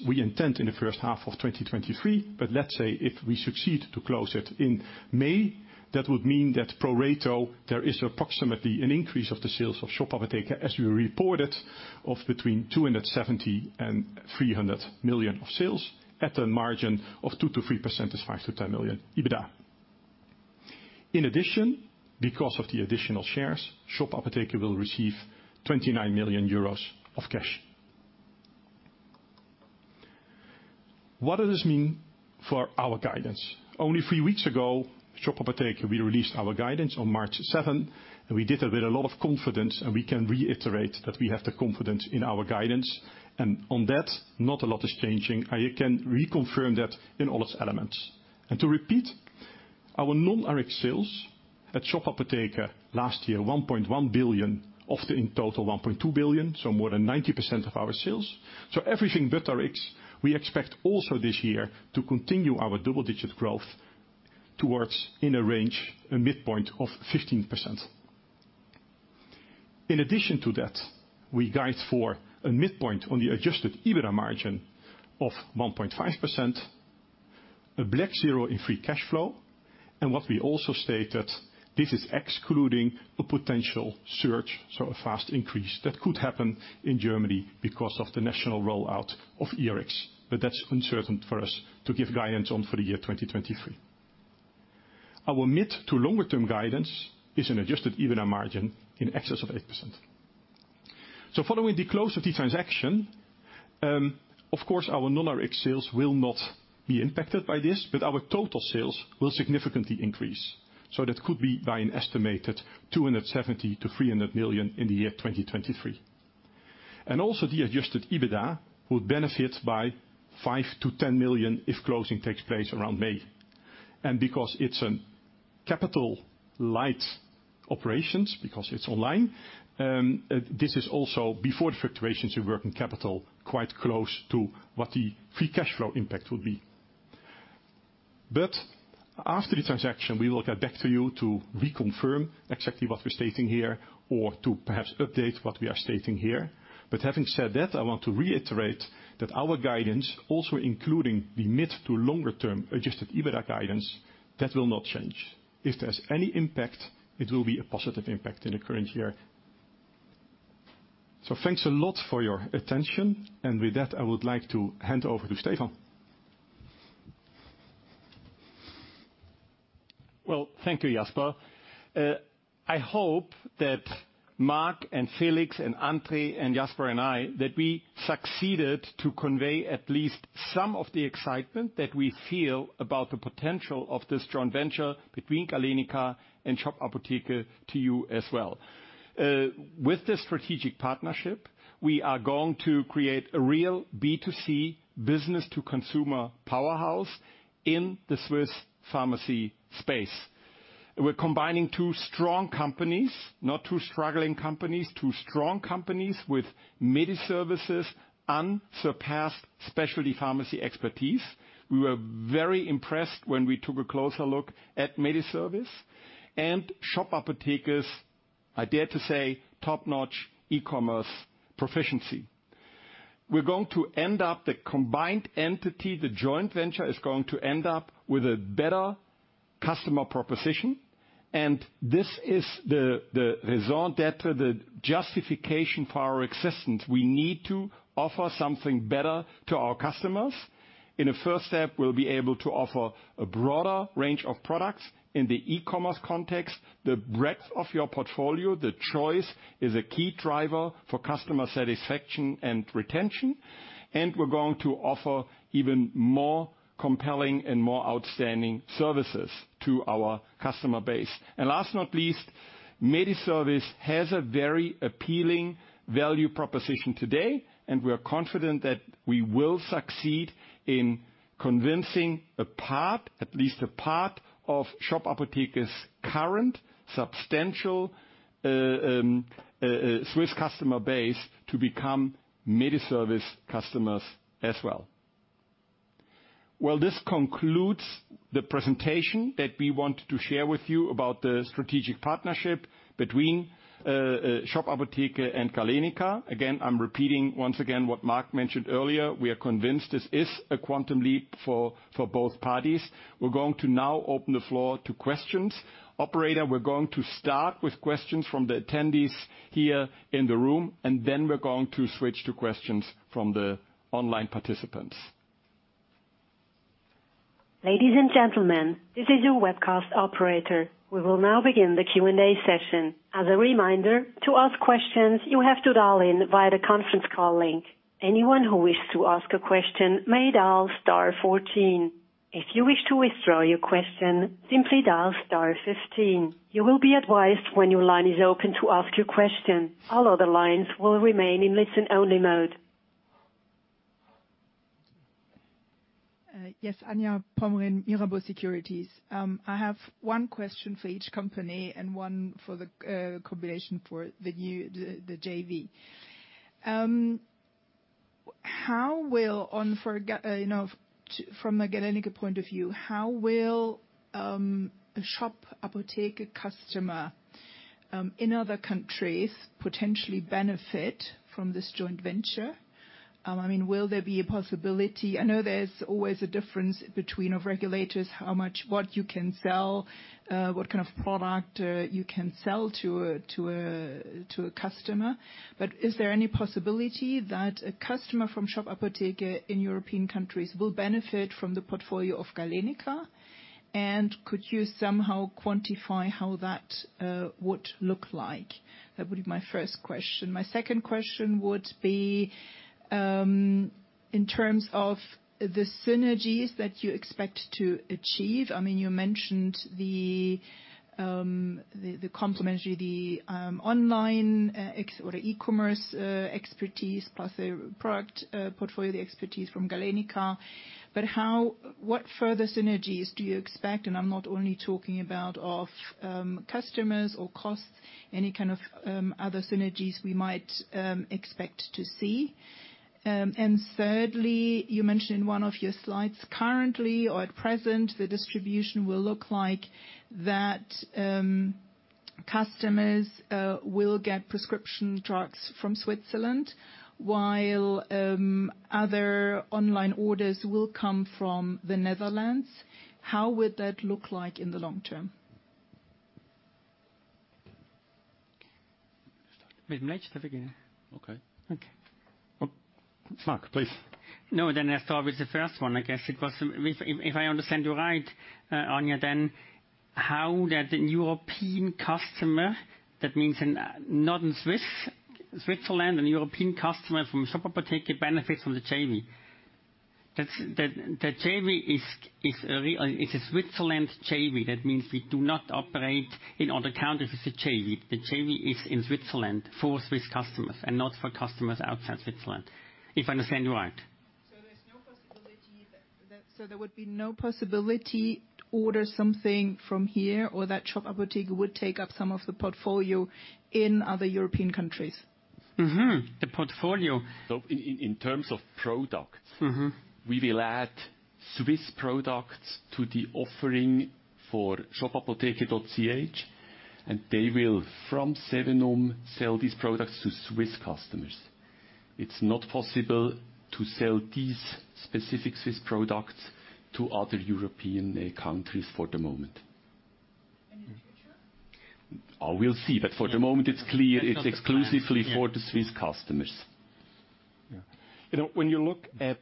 S6: we intend in the first half of 2023, but let's say if we succeed to close it in May, that would mean that pro rata, there is approximately an increase of the sales of Shop Apotheke as we reported of between 270 million and 300 million of sales at a margin of 2%-3% is 5 million-10 million EBITDA. In addition, because of the additional shares, Shop Apotheke will receive 29 million euros of cash. What does this mean for our guidance? Only three weeks ago, Shop Apotheke, we released our guidance on March 7th, and we did it with a lot of confidence, and we can reiterate that we have the confidence in our guidance. On that, not a lot is changing. I again reconfirm that in all its elements. To repeat, our non-Rx sales at Redcare Pharmacy last year, 1.1 billion, of the in total 1.2 billion, so more than 90% of our sales. Everything but Rx, we expect also this year to continue our double-digit growth towards in a range a midpoint of 15%. In addition to that, we guide for a midpoint on the adjusted EBITDA margin of 1.5%, a black zero in free cash flow, and what we also stated, this is excluding a potential surge, so a fast increase that could happen in Germany because of the national rollout of Rx. That's uncertain for us to give guidance on for the year 2023. Our mid to longer term guidance is an adjusted EBITDA margin in excess of 8%. Following the close of the transaction, of course, our non-Rx sales will not be impacted by this, but our total sales will significantly increase. That could be by an estimated 270-300 million in the year 2023. Also, the adjusted EBITDA will benefit by 5-10 million if closing takes place around May. Because it's a capital-light operations, because it's online, this is also before the fluctuations in working capital quite close to what the free cash flow impact will be. After the transaction, we will get back to you to reconfirm exactly what we're stating here or to perhaps update what we are stating here. Having said that, I want to reiterate that our guidance also including the mid to longer term adjusted EBITDA guidance, that will not change. If there's any impact, it will be a positive impact in the current year. Thanks a lot for your attention. With that, I would like to hand over to Stefan.
S2: Well, thank you, Jasper. I hope that Marc and Felix and André and Jasper and I, that we succeeded to convey at least some of the excitement that we feel about the potential of this joint venture between Galenica and Shop Apotheke to you as well. With this strategic partnership, we are going to create a real B2C, business to consumer powerhouse in the Swiss pharmacy space. We're combining two strong companies, not two struggling companies, two strong companies with Mediservice's unsurpassed specialty pharmacy expertise. We were very impressed when we took a closer look at Mediservice. Shop Apotheke's, I dare to say, top-notch e-commerce proficiency. We're going to end up the combined entity, the joint venture is going to end up with a better customer proposition, and this is the result of the justification for our existence. We need to offer something better to our customers. In a first step, we'll be able to offer a broader range of products in the e-commerce context. The breadth of your portfolio, the choice, is a key driver for customer satisfaction and retention. We're going to offer even more compelling and more outstanding services to our customer base. Last not least, Mediservice has a very appealing value proposition today, and we are confident that we will succeed in convincing a part, at least a part, of Shop Apotheke's current substantial Swiss customer base to become Mediservice customers as well. Well, this concludes the presentation that we wanted to share with you about the strategic partnership between Shop Apotheke and Galenica. Again, I'm repeating once again what Marc mentioned earlier, we are convinced this is a quantum leap for both parties. We're going to now open the floor to questions. Operator, we're going to start with questions from the attendees here in the room, and then we're going to switch to questions from the online participants.
S1: Ladies and gentlemen, this is your webcast operator. We will now begin the Q&A session. As a reminder, to ask questions, you have to dial in via the conference call link. Anyone who wishes to ask a question may dial star 14. If you wish to withdraw your question, simply dial star 15. You will be advised when your line is open to ask your question. All other lines will remain in listen-only mode.
S7: Yes, Anja Pomrehn, Mirabaud Securities. I have one question for each company and one for the combination for the new JV. How will on for, you know, from a Galenica point of view, how will a Shop Apotheke customer in other countries potentially benefit from this joint venture? I mean, will there be a possibility? I know there's always a difference between of regulators, how much, what you can sell, what kind of product you can sell to a customer. Is there any possibility that a customer from Shop Apotheke in European countries will benefit from the portfolio of Galenica? Could you somehow quantify how that would look like? That would be my first question. My second question would be in terms of the synergies that you expect to achieve. I mean, you mentioned the complementary, the online e-commerce expertise, plus the product portfolio, the expertise from Galenica. What further synergies do you expect? I'm not only talking about of customers or costs, any kind of other synergies we might expect to see. Thirdly, you mentioned in one of your slides currently or at present, the distribution will look like that, customers will get prescription drugs from Switzerland, while other online orders will come from the Netherlands. How would that look like in the long term?
S2: Okay.
S7: Okay.
S2: Marc, please.
S3: No, I start with the first one. I guess it was, if I understand you right, Anya, how that European customer, that means an not Swiss, Switzerland and European customer from Shop Apotheke benefits from the JV. That's, the JV is a real, it's a Switzerland JV. That means we do not operate in other countries as a JV. The JV is in Switzerland for Swiss customers and not for customers outside Switzerland. If I understand you right?
S7: There would be no possibility to order something from here or that Shop Apotheke would take up some of the portfolio in other European countries?
S3: Mm-hmm. The portfolio.
S2: In terms of products.
S3: Mm-hmm.
S2: we will add Swiss products to the offering for shop-apotheke.ch, and they will, from Sevenum, sell these products to Swiss customers. It's not possible to sell these specific Swiss products to other European countries for the moment.
S7: In the future?
S2: We'll see, but for the moment it's clear it's exclusively for the Swiss customers.
S3: Yeah.
S2: You know, when you look at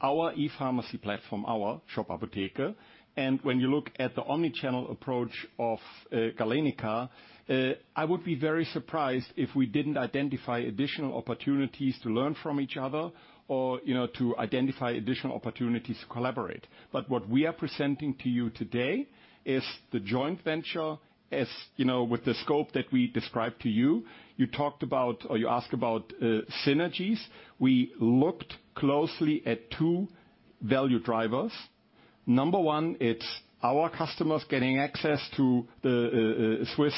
S2: our e-pharmacy platform, our Shop Apotheke, and when you look at the omni-channel approach of Galenica, I would be very surprised if we didn't identify additional opportunities to learn from each other or, you know, to identify additional opportunities to collaborate. What we are presenting to you today is the joint venture, as you know, with the scope that we described to you. You talked about or you asked about synergies. We looked closely at two value drivers. Number one, it's our customers getting access to the Swiss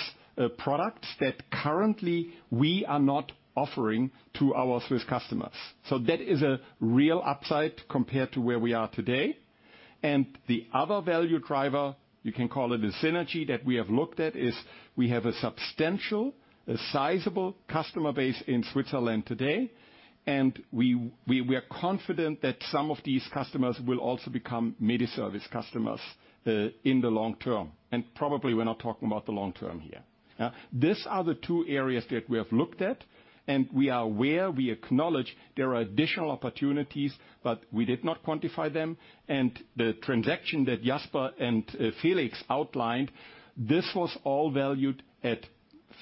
S2: products that currently we are not offering to our Swiss customers. That is a real upside compared to where we are today, and the other value driver, you can call it a synergy, that we have looked at is we have a substantial, a sizable customer base in Switzerland today. We are confident that some of these customers will also become Mediservice customers, in the long term. Probably we're not talking about the long term here. These are the two areas that we have looked at, and we are aware, we acknowledge there are additional opportunities, but we did not quantify them. The transaction that Jasper and Felix outlined, this was all valued at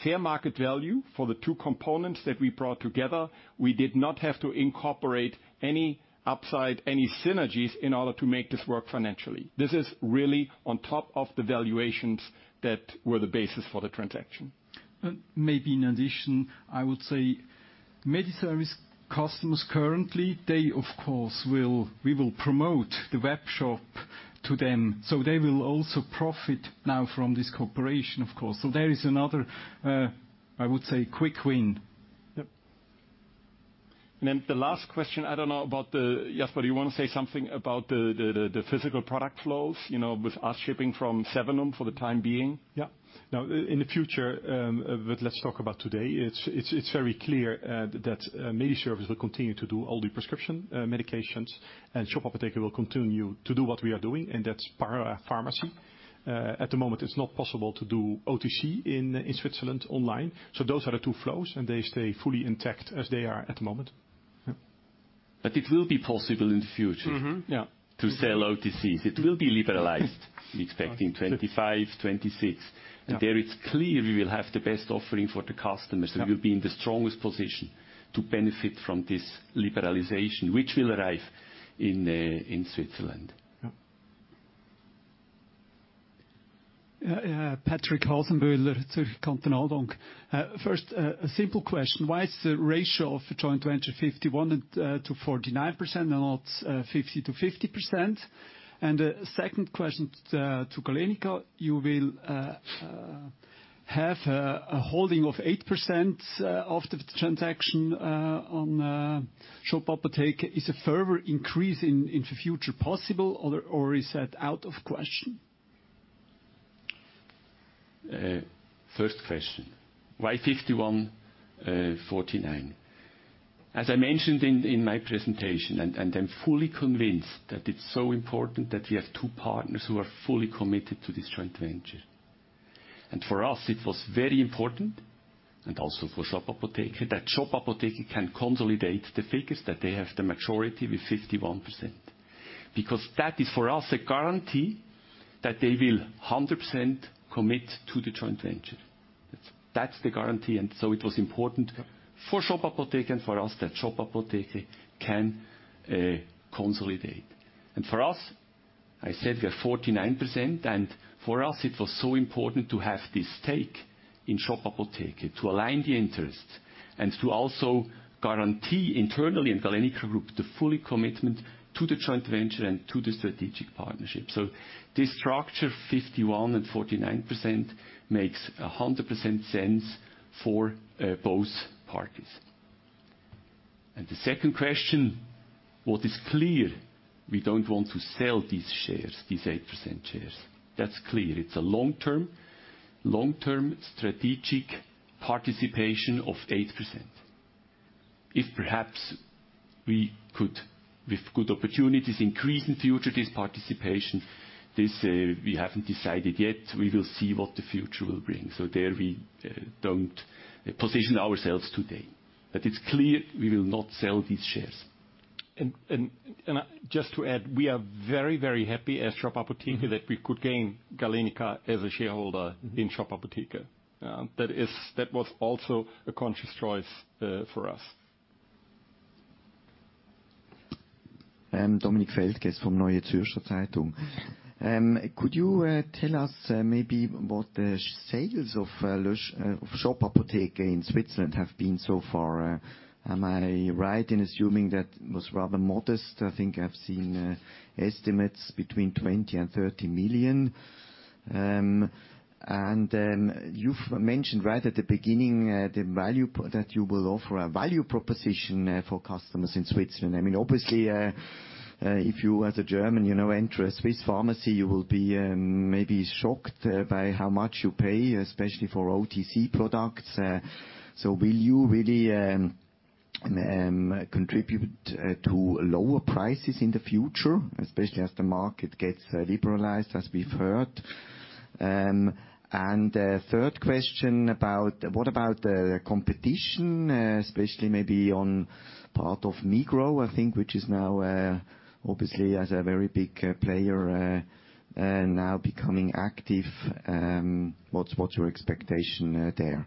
S2: fair market value for the two components that we brought together. We did not have to incorporate any upside, any synergies in order to make this work financially. This is really on top of the valuations that were the basis for the transaction.
S4: Maybe in addition, I would say Mediservice customers currently, they of course we will promote the webshop to them, so they will also profit now from this cooperation of course. There is another, I would say quick win.
S2: Yep. Then the last question, I don't know about the Jasper, you want to say something about the physical product flows, you know, with us shipping from Zevenhuizen for the time being?
S6: Yeah. Now in the future. Let's talk about today. It's very clear that Mediservice will continue to do all the prescription medications, and Shop Apotheke will continue to do what we are doing, and that's parapharmacy. At the moment, it's not possible to do OTC in Switzerland online. Those are the two flows, and they stay fully intact as they are at the moment. Yep.
S2: it will be possible in the future.
S6: Mm-hmm.
S3: Yeah.
S2: to sell OTCs. It will be liberalized, we expect in 2025, 2026.
S6: Yeah.
S2: There it's clear we will have the best offering for the customers.
S6: Yeah.
S2: We'll be in the strongest position to benefit from this liberalization which will arrive in Switzerland.
S6: Yeah.
S8: Patrick Hasenböhler, Zürcher Kantonalbank. First, a simple question. Why is the ratio of joint venture 51% to 49% and not 50% to 50%? A second question to Galenica. You will have a holding of 8% of the transaction on Shop Apotheke. Is a further increase in the future possible or is that out of question?
S5: First question, why 51%, 49%? As I mentioned in my presentation, I'm fully convinced that it's so important that we have two partners who are fully committed to this joint venture. For us, it was very important, and also for Shop Apotheke, that Shop Apotheke can consolidate the figures, that they have the majority with 51%. That is for us a guarantee that they will 100% commit to the joint venture. That's the guarantee. It was important for Shop Apotheke and for us that Shop Apotheke can consolidate. For us, I said we are 49%, and for us it was so important to have this stake in Shop Apotheke to align the interests and to also guarantee internally in Galenica Group the full commitment to the joint venture and to the strategic partnership. This structure, 51% and 49%, makes 100% sense for both parties. The second question, what is clear, we don't want to sell these shares, these 8% shares. That's clear. It's a long-term strategic participation of 8%. If perhaps we could, with good opportunities, increase in future this participation, this, we haven't decided yet. We will see what the future will bring. There we don't position ourselves today. It's clear we will not sell these shares.
S2: Just to add, we are very happy at Shop Apotheke that we could gain Galenica as a shareholder in Shop Apotheke. That was also a conscious choice for us.
S9: Dominik Feldges from Neue Zürcher Zeitung. Could you tell us maybe what the sales of Shop Apotheke in Switzerland have been so far? Am I right in assuming that it was rather modest? I think I've seen estimates between 20 million and 30 million. You've mentioned right at the beginning that you will offer a value proposition for customers in Switzerland. I mean, obviously, if you as a German, you know, enter a Swiss pharmacy, you will be maybe shocked by how much you pay, especially for OTC products. Will you really contribute to lower prices in the future, especially as the market gets liberalized, as we've heard? A third question about what about the competition, especially maybe on part of Migros, I think, which is now, obviously as a very big player, now becoming active, what's your expectation there?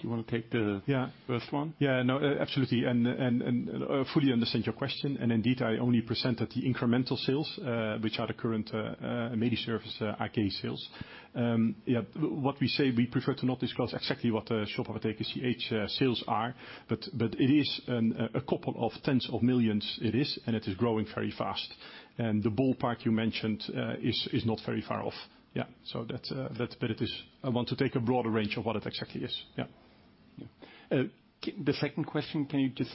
S2: Do you wanna take the first one? Yeah, no, absolutely. I fully understand your question. Indeed, I only presented the incremental sales, which are the current Mediservice AG sales. Yeah, what we say, we prefer to not discuss exactly what Shop Apotheke CH sales are, but it is a couple of tens of millions CHF it is, and it is growing very fast. The ballpark you mentioned is not very far off. Yeah. That's... But I want to take a broader range of what it exactly is. Yeah.
S9: The second question, can you just-.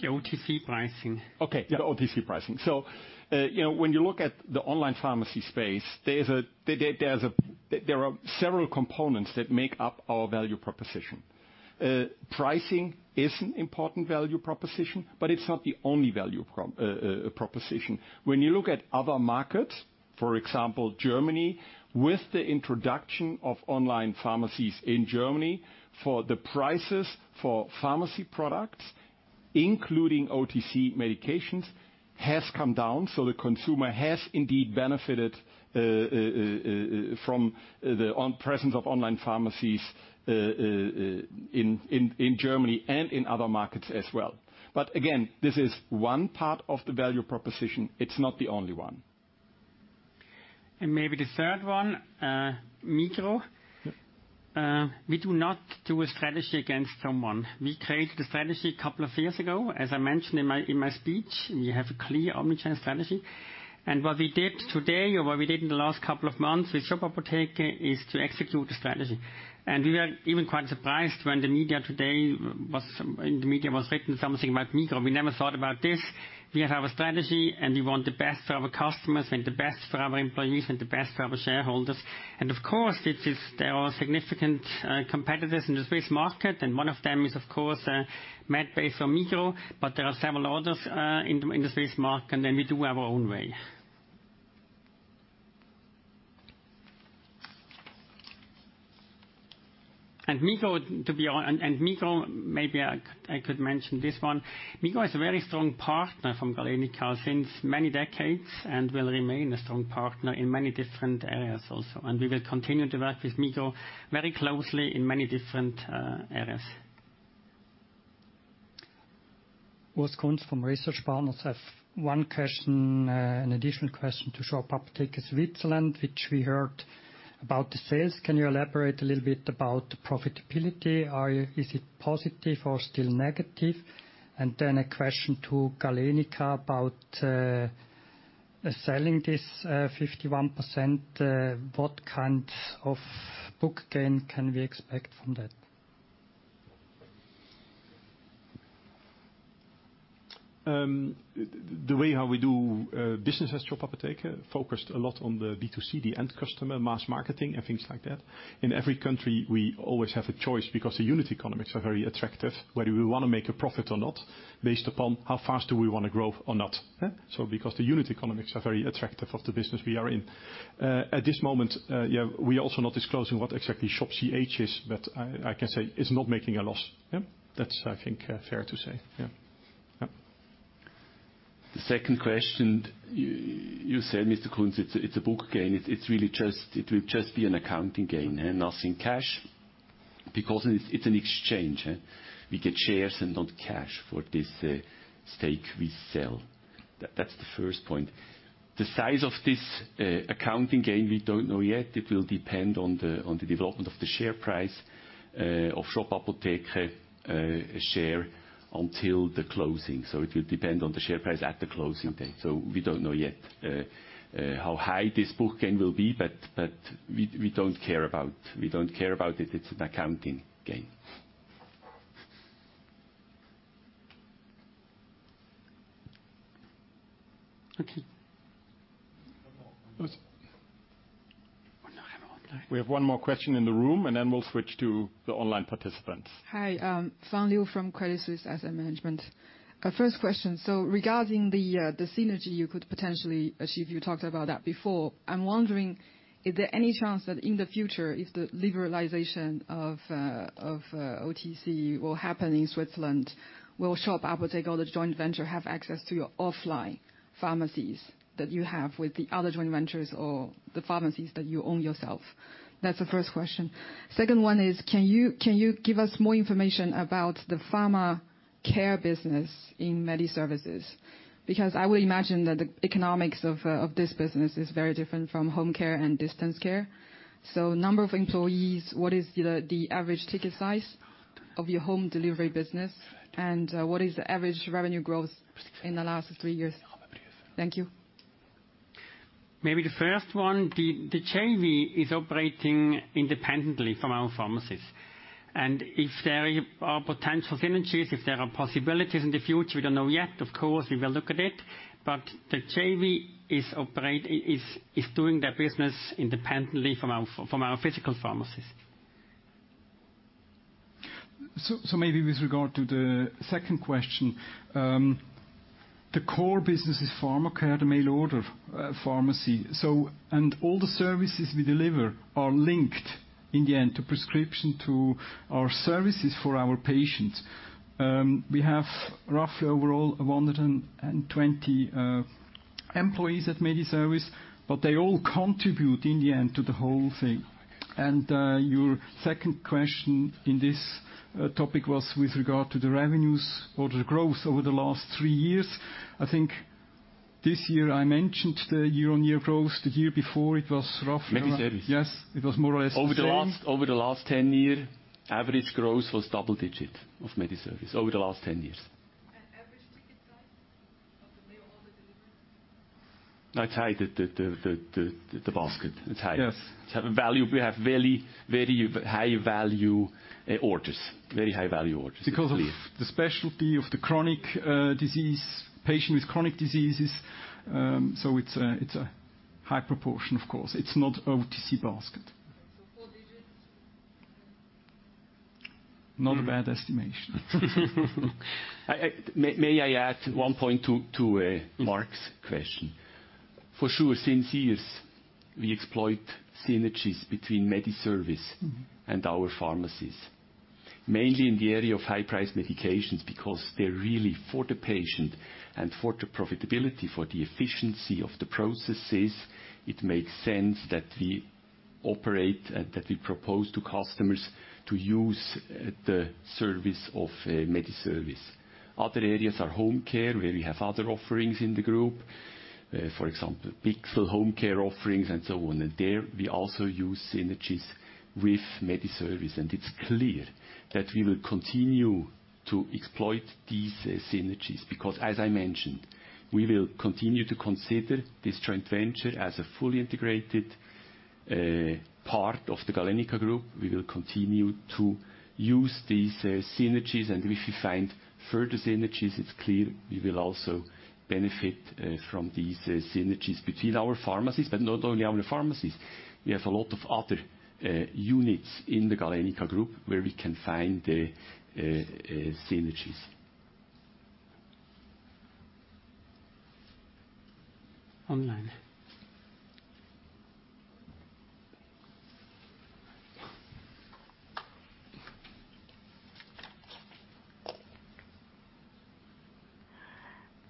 S9: The OTC pricing.
S2: Okay.
S9: Yeah.
S2: OTC pricing. You know, when you look at the online pharmacy space, there are several components that make up our value proposition. Pricing is an important value proposition, but it's not the only value proposition. When you look at other markets, for example, Germany, with the introduction of online pharmacies in Germany, for the prices for pharmacy products, including OTC medications, has come down. The consumer has indeed benefited from the presence of online pharmacies in Germany and in other markets as well. Again, this is one part of the value proposition. It's not the only one.
S5: Maybe the third one, Migros.
S2: Yeah.
S5: We do not do a strategy against someone. We created a strategy a couple of years ago, as I mentioned in my speech. We have a clear omni-channel strategy. What we did today or what we did in the last couple of months with Shop Apotheke is to execute the strategy. We were even quite surprised when in the media was written something about Migros. We never thought about this. We have our strategy, we want the best for our customers and the best for our employees and the best for our shareholders. Of course, there are significant competitors in the Swiss market, and one of them is, of course, Medbase or Migros, but there are several others in the Swiss market, we do our own way. Migros, maybe I could mention this one. Migros is a very strong partner from Galenica since many decades and will remain a strong partner in many different areas also. We will continue to work with Migros very closely in many different areas.
S10: Urs Kunz from Research Partners. I have one question, an additional question to Shop Apotheke Switzerland, which we heard about the sales. Can you elaborate a little bit about profitability? Is it positive or still negative? Then a question to Galenica about selling this 51%. What kind of book gain can we expect from that?
S2: The way how we do business as Shop Apotheke focused a lot on the B2C, the end customer, mass marketing and things like that. In every country, we always have a choice because the unit economics are very attractive, whether we wanna make a profit or not, based upon how fast do we wanna grow or not. Because the unit economics are very attractive of the business we are in. At this moment, we are also not disclosing what exactly ShopCH is, but I can say it's not making a loss. That's, I think, fair to say.
S5: The second question, you said, Mr. Kunz, it's a book gain. It will just be an accounting gain and nothing cash because it's an exchange. We get shares and not cash for this stake we sell. That's the first point. The size of this accounting gain, we don't know yet. It will depend on the development of the share price of Shop Apotheke share until the closing. It will depend on the share price at the closing date. We don't know yet how high this book gain will be, but we don't care about it. It's an accounting gain.
S10: Okay.
S11: We have one more question in the room, and then we'll switch to the online participants.
S12: Hi, Fang Liu from Credit Suisse Asset Management. First question, regarding the synergy you could potentially achieve, you talked about that before. I'm wondering is there any chance that in the future, if the liberalization of OTC will happen in Switzerland, will Shop Apotheke or the joint venture have access to your offline pharmacies that you have with the other joint ventures or the pharmacies that you own yourself? That's the first question. Second one is can you give us more information about the pharma care business in Mediservice? I would imagine that the economics of this business is very different from home care and distance care. Number of employees, what is the average ticket size of your home delivery business? What is the average revenue growth in the last three years? Thank you.
S4: Maybe the first one, the JV is operating independently from our pharmacies. If there are potential synergies, if there are possibilities in the future, we don't know yet. Of course, we will look at it. The JV is doing their business independently from our physical pharmacies. Maybe with regard to the second question, the core business is pharma care, the mail order pharmacy. And all the services we deliver are linked in the end to prescription to our services for our patients. We have roughly overall 120 employees at Mediservice, but they all contribute in the end to the whole thing. Your second question in this topic was with regard to the revenues or the growth over the last three years. I think this year I mentioned the year-on-year growth. The year before it was roughly...
S5: Mediservice.
S4: Yes. It was more or less the same.
S5: Over the last 10 years, average growth was double digit of Mediservice, over the last 10 years.
S12: Average ticket size of the mail order deliveries?
S5: It's high, the basket. It's high.
S4: Yes.
S5: It's a value. We have very high value, orders, very high value orders.
S4: Because of the specialty of the chronic disease, patient with chronic diseases, it's a high proportion, of course. It's not OTC basket.
S12: 4 digits?
S4: Not a bad estimation.
S5: May I add one point to Marc's question? For sure, since years, we exploit synergies between Mediservice.
S4: Mm-hmm.
S5: Our pharmacies, mainly in the area of high price medications, because they're really for the patient and for the profitability, for the efficiency of the processes, it makes sense that we operate and that we propose to customers to use the service of Mediservice. Other areas are home care, where we have other offerings in the group. For example, Bichsel Homecare offerings and so on. There we also use synergies with Mediservice, and it's clear that we will continue to exploit these synergies, because as I mentioned, we will continue to consider this joint venture as a fully integrated part of the Galenica Group. We will continue to use these synergies. If we find further synergies, it's clear we will also benefit from these synergies between our pharmacies, but not only our pharmacies. We have a lot of other units in the Galenica Group where we can find synergies.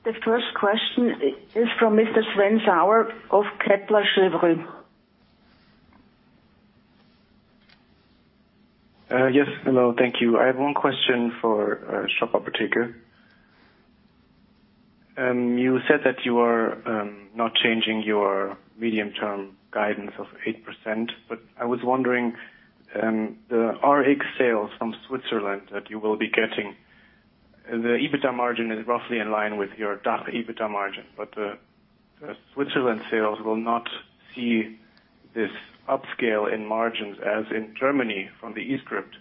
S4: Online.
S1: The first question is from Mr. Sven Sauer of Kepler Cheuvreux.
S13: Yes. Hello. Thank you. I have one question for Shop Apotheke. You said that you are not changing your medium-term guidance of 8%, but I was wondering, the Rx sales from Switzerland that you will be getting, the EBITDA margin is roughly in line with your DACH EBITDA margin, but the Switzerland sales will not see this upscale in margins as in Germany from the eScript.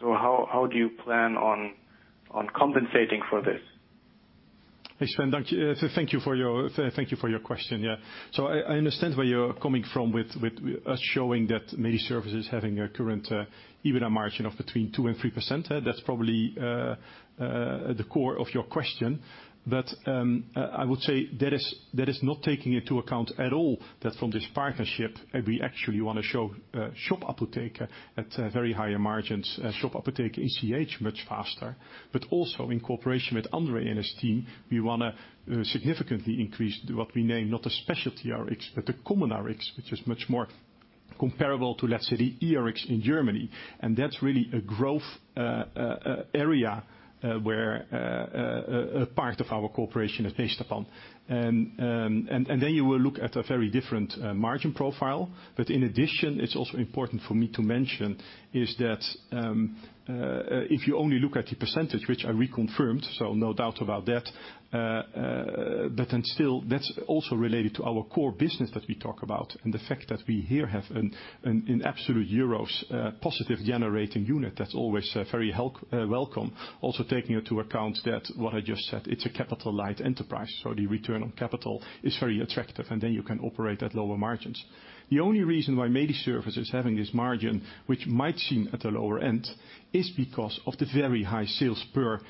S13: How do you plan on compensating for this?
S6: Hey, Sven. Thank you. Thank you for your question, yeah. I understand where you're coming from with us showing that Mediservice is having a current EBITDA margin of between 2% and 3%. That's probably the core of your question. I would say that is not taking into account at all that from this partnership, we actually wanna show Shop Apotheke at very higher margins, shop-apotheke.ch much faster. Also in cooperation with André and his team, we wanna significantly increase what we name not a specialty Rx, but a common Rx, which is much more comparable to, let's say, the eRx in Germany. That's really a growth area where a part of our cooperation is based upon. You will look at a very different margin profile. In addition, it's also important for me to mention, is that if you only look at the percentage, which I reconfirmed, so no doubt about that, but then still, that's also related to our core business that we talk about and the fact that we here have an absolute euros positive generating unit. That's always very welcome. Also taking into account that what I just said, it's a capital light enterprise, so the return on capital is very attractive, and then you can operate at lower margins. The only reason why Mediservice is having this margin, which might seem at the lower end, is because of the very high sales per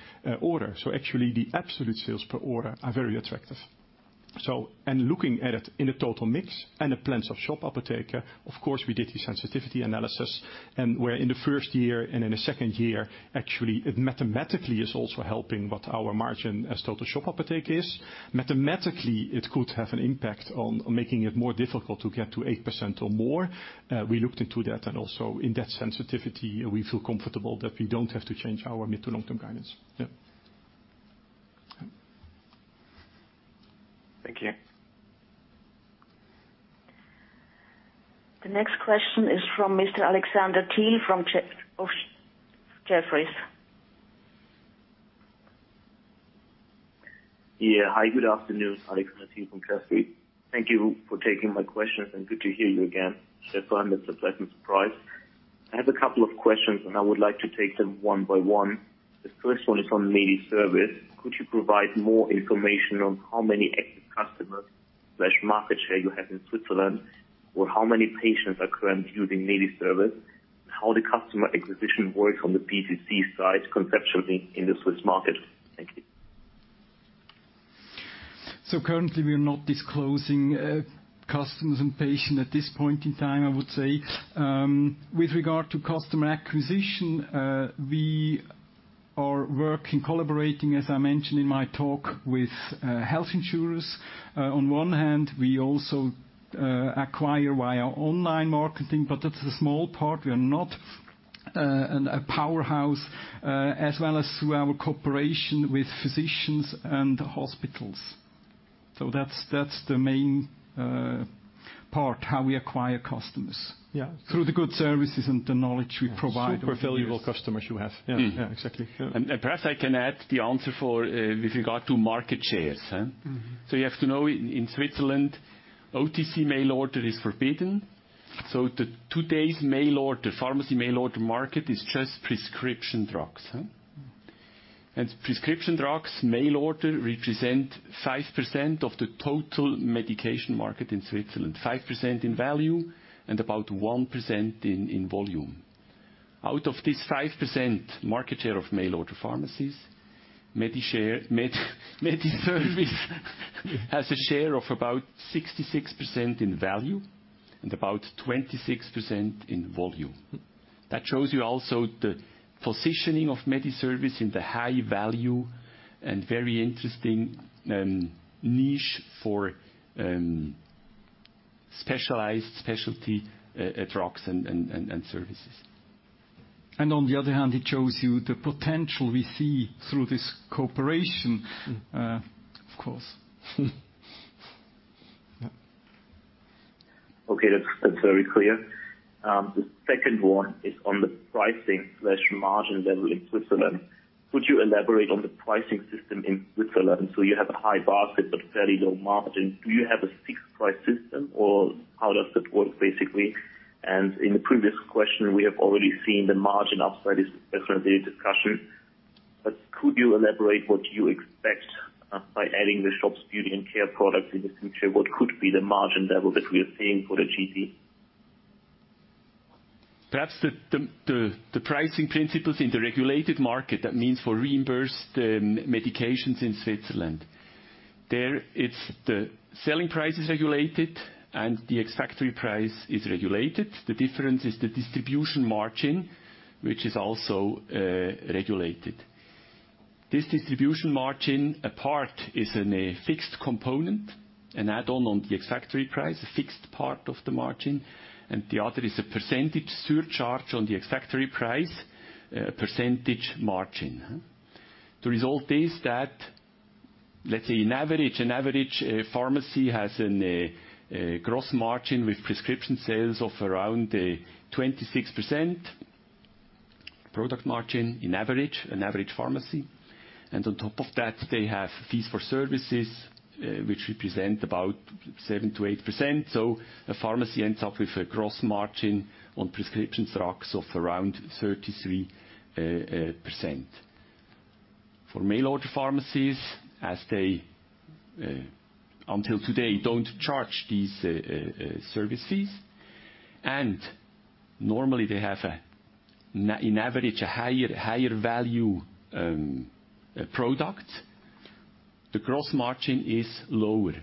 S6: order. Actually, the absolute sales per order are very attractive. Looking at it in a total mix and the plans of Shop Apotheke, of course, we did the sensitivity analysis, and where in the first year and in the second year, actually, it mathematically is also helping what our margin as total Shop Apotheke is. Mathematically, it could have an impact on making it more difficult to get to 8% or more. We looked into that, and also in that sensitivity, we feel comfortable that we don't have to change our mid to long-term guidance. Yeah.
S13: Thank you.
S1: The next question is from Mr. Alexander Thiel from Jefferies.
S14: Yeah. Hi, good afternoon. Alexander Thiel from Jefferies. Thank you for taking my questions, and good to hear you again, Jeff. I'm at Surprise and Surprise. I have a couple of questions, and I would like to take them one by one. The first one is on Mediservice. Could you provide more information on how many active customers/market share you have in Switzerland? Or how many patients are currently using Mediservice? How the customer acquisition works on the PTC side conceptually in the Swiss market. Thank you.
S4: Currently, we are not disclosing customers and patient at this point in time, I would say. With regard to customer acquisition, we are working, collaborating, as I mentioned in my talk, with health insurers. On one hand, we also acquire via online marketing, but that's a small part. We are not a powerhouse as well as through our cooperation with physicians and hospitals. That's the main part, how we acquire customers.
S6: Yeah.
S4: Through the good services and the knowledge we provide.
S6: Super valuable customers you have.
S5: Mm-hmm.
S6: Yeah, yeah. Exactly. Yeah.
S5: Perhaps I can add the answer for with regard to market shares, huh?
S6: Mm-hmm.
S5: You have to know in Switzerland, OTC mail order is forbidden. The today's mail order, pharmacy mail order market is just prescription drugs, huh? Prescription drugs mail order represent 5% of the total medication market in Switzerland. 5% in value and about 1% in volume. Out of this 5% market share of mail order pharmacies, Mediservice has a share of about 66% in value and about 26% in volume. That shows you also the positioning of Mediservice in the high value and very interesting niche for specialized specialty drugs and services.
S6: On the other hand, it shows you the potential we see through this cooperation, of course.
S5: Yeah.
S14: Okay. That's very clear. The second one is on the pricing/margin level in Switzerland. Would you elaborate on the pricing system in Switzerland? You have a high basket, but fairly low margin. Do you have a fixed price system or how does that work, basically? In the previous question, we have already seen the margin upside is definitely in discussion. Could you elaborate what you expect by adding the shops beauty and care products in the future? What could be the margin level that we are seeing for the GT?
S5: Perhaps the pricing principles in the regulated market, that means for reimbursed medications in Switzerland. There, the selling price is regulated and the ex-factory price is regulated. The difference is the distribution margin, which is also regulated. This distribution margin, a part is in a fixed component, an add-on on the ex-factory price, a fixed part of the margin, and the other is a percentage surcharge on the ex-factory price, a percentage margin. The result is that, let's say in average, an average pharmacy has a gross margin with prescription sales of around 26% product margin in average, an average pharmacy. On top of that, they have fees for services, which represent about 7%-8%. A pharmacy ends up with a gross margin on prescription drugs of around 33%. For mail order pharmacies, as they until today, don't charge these services, and normally they have a, in average, a higher value product. The gross margin is lower,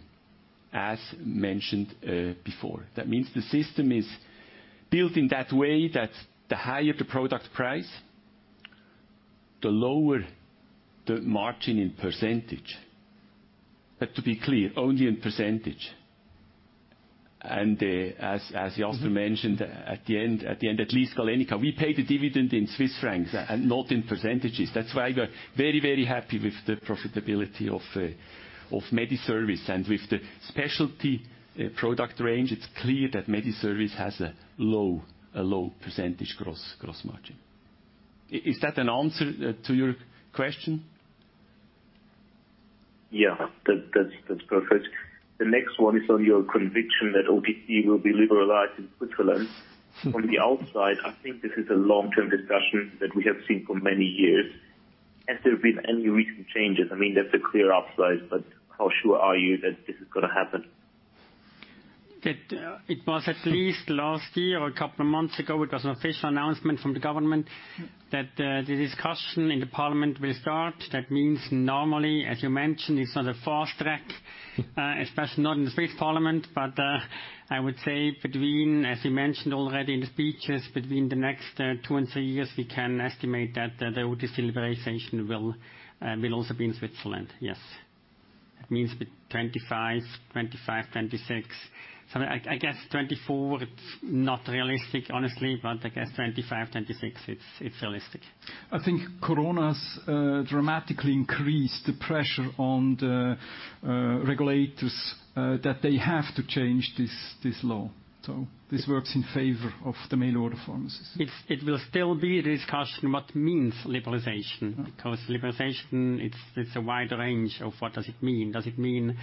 S5: as mentioned before. That means the system is built in that way that the higher the product price, the lower the margin in percentage. To be clear, only in percentage. As Jasper mentioned, at the end, at least Galenica, we pay the dividend in Swiss francs and not in percentages. That's why we are very happy with the profitability of Mediservice. With the specialty product range, it's clear that Mediservice has a low percentage gross margin. Is that an answer to your question?
S14: Yeah. That's perfect. The next one is on your conviction that OTC will be liberalized in Switzerland. From the outside, I think this is a long-term discussion that we have seen for many years. Has there been any recent changes? I mean, that's a clear upside, but how sure are you that this is gonna happen?
S3: It was at least last year or a couple of months ago, it was an official announcement from the government that the discussion in the Swiss parliament will start. That means normally, as you mentioned, it's on a fast track, especially not in the Swiss parliament, but I would say between, as you mentioned already in the speeches, between the next two and three years, we can estimate that the OTC liberalization will also be in Switzerland. Yes. That means 2025, 2026. I guess 2024, it's not realistic, honestly, but I guess 2025, 2026, it's realistic.
S5: I think coronas dramatically increased the pressure on the regulators that they have to change this law. This works in favor of the mail order pharmacies.
S3: It will still be a discussion what means liberalization? Liberalization, it's a wide range of what does it mean? Does it mean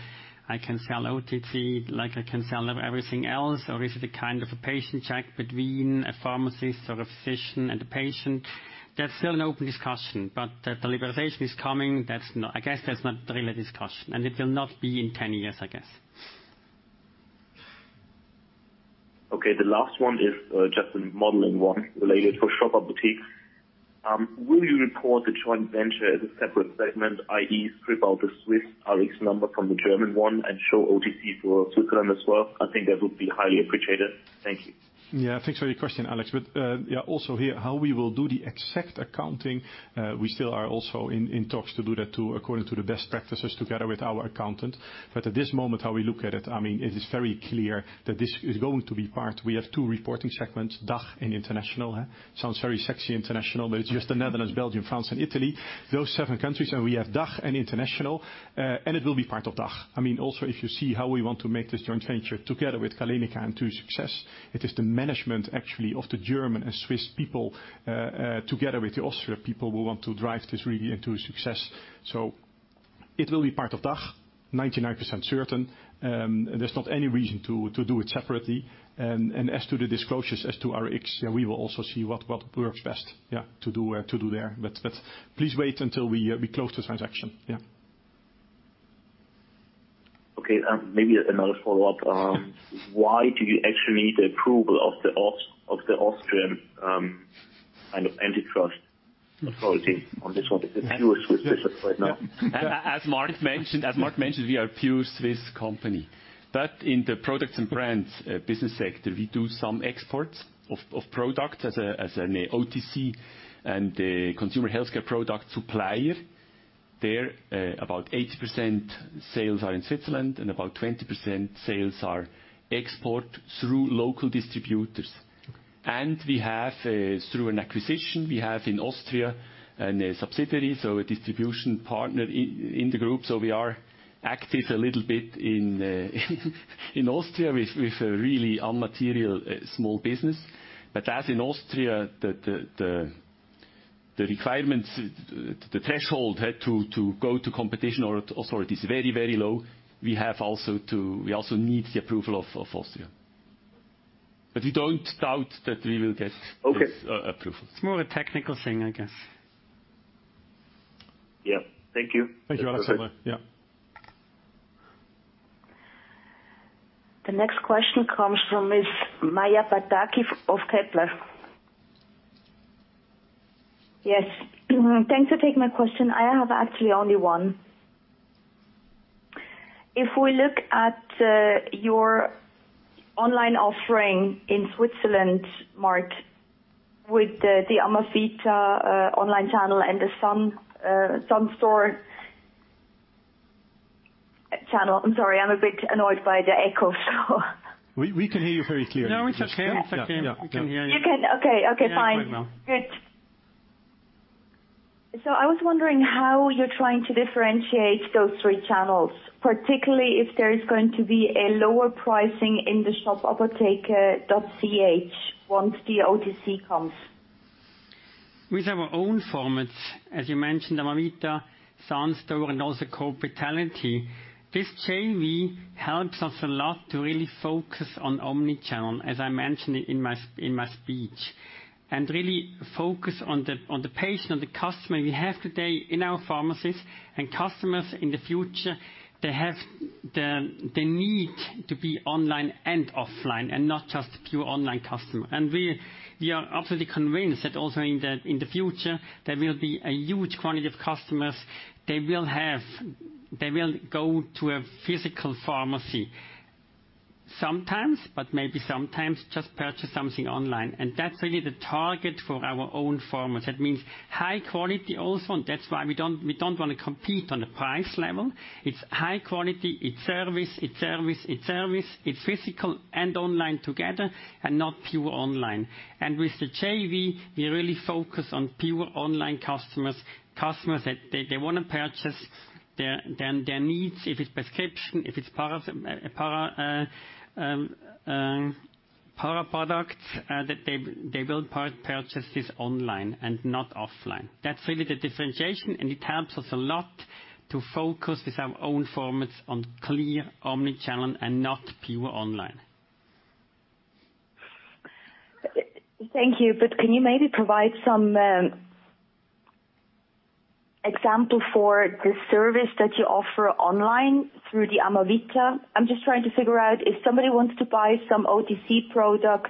S3: I can sell OTC like I can sell everything else, or is it a kind of a patient check between a pharmacist or a physician and a patient? That's still an open discussion. That the liberalization is coming, I guess that's not really a discussion, and it will not be in 10 years, I guess.
S14: Okay, the last one is just a modeling one related for Shop Apotheke. Will you report the joint venture as a separate segment, i.e. strip out the Swiss Rx number from the German one and show OTC for Switzerland as well? I think that would be highly appreciated. Thank you.
S6: Thanks for your question, Alex. Also here, how we will do the exact accounting, we still are also in talks to do that too, according to the best practices together with our accountant. At this moment, how we look at it, I mean, it is very clear that this is going to be part. We have 2 reporting segments, DACH and International. Sounds very sexy, International, but it's just the Netherlands, Belgium, France and Italy. Those seven countries, we have DACH and International, it will be part of DACH. I mean, also, if you see how we want to make this joint venture together with Galenica into a success, it is the management actually of the German and Swiss people, together with the Austria people who want to drive this really into a success. It will be part of DACH, 99% certain. There's not any reason to do it separately. As to the disclosures as to Rx, we will also see what works best to do there. Please wait until we close the transaction.
S14: Maybe another follow-up. Why do you actually need the approval of the Austrian kind of antitrust authority on this one? It's a pure Swiss business right now.
S5: As Mart mentioned, we are a pure Swiss company. In the products and brands business sector, we do some exports of products as an OTC and a consumer healthcare product supplier. There, about 80% sales are in Switzerland and about 20% sales are export through local distributors. We have, through an acquisition, we have in Austria a subsidiary, so a distribution partner in the group. We are active a little bit in Austria with a really unmaterial small business. As in Austria, the requirements, the threshold to go to competition or authorities, very low, we also need the approval of Austria. We don't doubt that we will get.
S14: Okay.
S5: This, approval.
S3: It's more a technical thing, I guess.
S14: Yeah. Thank you.
S6: Thank you, Alexander. Yeah.
S1: The next question comes from Miss Maja Pataki of Kepler.
S15: Yes. Thanks for taking my question. I have actually only one. If we look at your online offering in Switzerland, Mart, with the Amavita online channel and the Sun Store channel. I'm sorry, I'm a bit annoyed by the echo.
S6: We can hear you very clearly.
S5: No, we just can. We can hear you.
S15: You can? Okay. Okay, fine.
S5: We can hear you right now.
S15: Good. I was wondering how you're trying to differentiate those three channels, particularly if there is going to be a lower pricing in the shop-apotheke.ch once the OTC comes?
S3: With our own formats, as you mentioned, Amavita, Sun Store, and also Coop Vitality. This JV helps us a lot to really focus on omni-channel, as I mentioned in my speech, and really focus on the patient, on the customer we have today in our pharmacies and customers in the future, they have the need to be online and offline and not just pure online customer. We are absolutely convinced that also in the future, there will be a huge quantity of customers they will go to a physical pharmacy sometimes, but maybe sometimes just purchase something online. That's really the target for our own pharmacies. That means high quality also, and that's why we don't wanna compete on the price level. It's high quality, it's service, it's service, it's service, it's physical and online together and not pure online. With the JV, we really focus on pure online customers that they wanna purchase their needs. If it's prescription, if it's para products, that they will part purchase this online and not offline. That's really the differentiation, it helps us a lot to focus with our own formats on clear omni-channel and not pure online.
S15: Thank you. Can you maybe provide some example for the service that you offer online through the Amavita? I'm just trying to figure out, if somebody wants to buy some OTC product,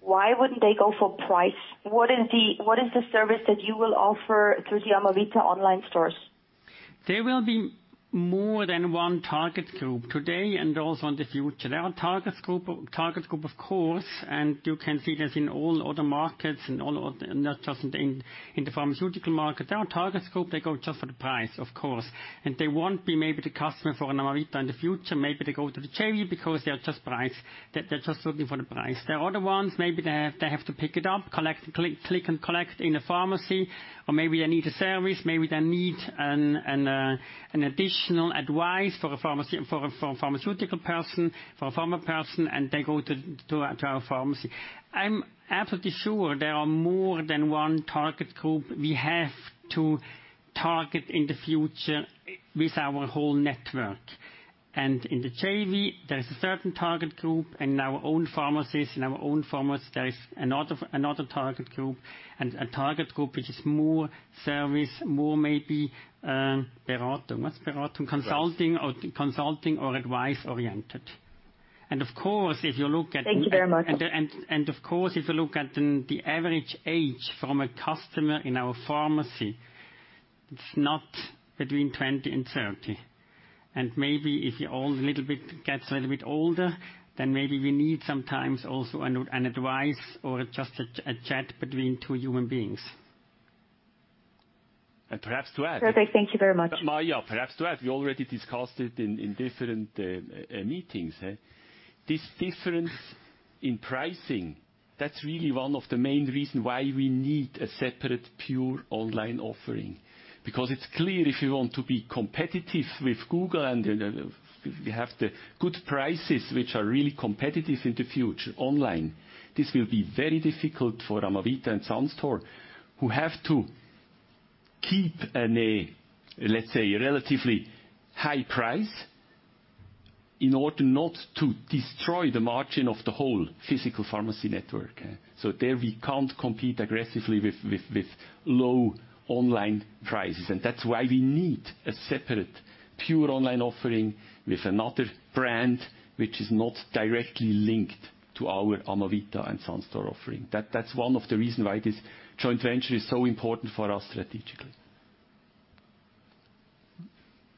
S15: why wouldn't they go for price? What is the service that you will offer through the Amavita online stores?
S3: There will be more than one target group today and also in the future. There are target group of course, and you can see this in all other markets and all, not just in the pharmaceutical market. There are target group that go just for the price, of course, and they won't be maybe the customer for an Amavita in the future. Maybe they go to the JV because they are just price. They're just looking for the price. There are other ones, maybe they have, they have to pick it up, collect, click and collect in a pharmacy. Or maybe they need a service, maybe they need an additional advice for a pharmacy, for a pharmaceutical person, for a pharma person, and they go to our pharmacy. I'm absolutely sure there are more than one target group we have to target in the future with our whole network. In the JV there is a certain target group, in our own pharmacies, in our own formats, there is another target group and a target group which is more service, more maybe, consulting or advice oriented. Of course, if you look.
S15: Thank you very much.
S3: Of course, if you look at the average age from a customer in our pharmacy, it's not between 20 and 30. Maybe if you're old, a little bit, gets a little bit older, then maybe we need sometimes also an advice or just a chat between two human beings.
S5: Perhaps to add.
S15: Perfect. Thank you very much.
S5: Maja, perhaps to add, we already discussed it in different meetings. This difference in pricing, that's really one of the main reason why we need a separate pure online offering, because it's clear if you want to be competitive with Google and we have the good prices which are really competitive in the future online, this will be very difficult for Amavita and Sun Store, who have to keep a, let's say, relatively high price in order not to destroy the margin of the whole physical pharmacy network. There we can't compete aggressively with low online prices. That's why we need a separate pure online offering with another brand which is not directly linked to our Amavita and Sun Store offering. That's one of the reason why this joint venture is so important for us strategically.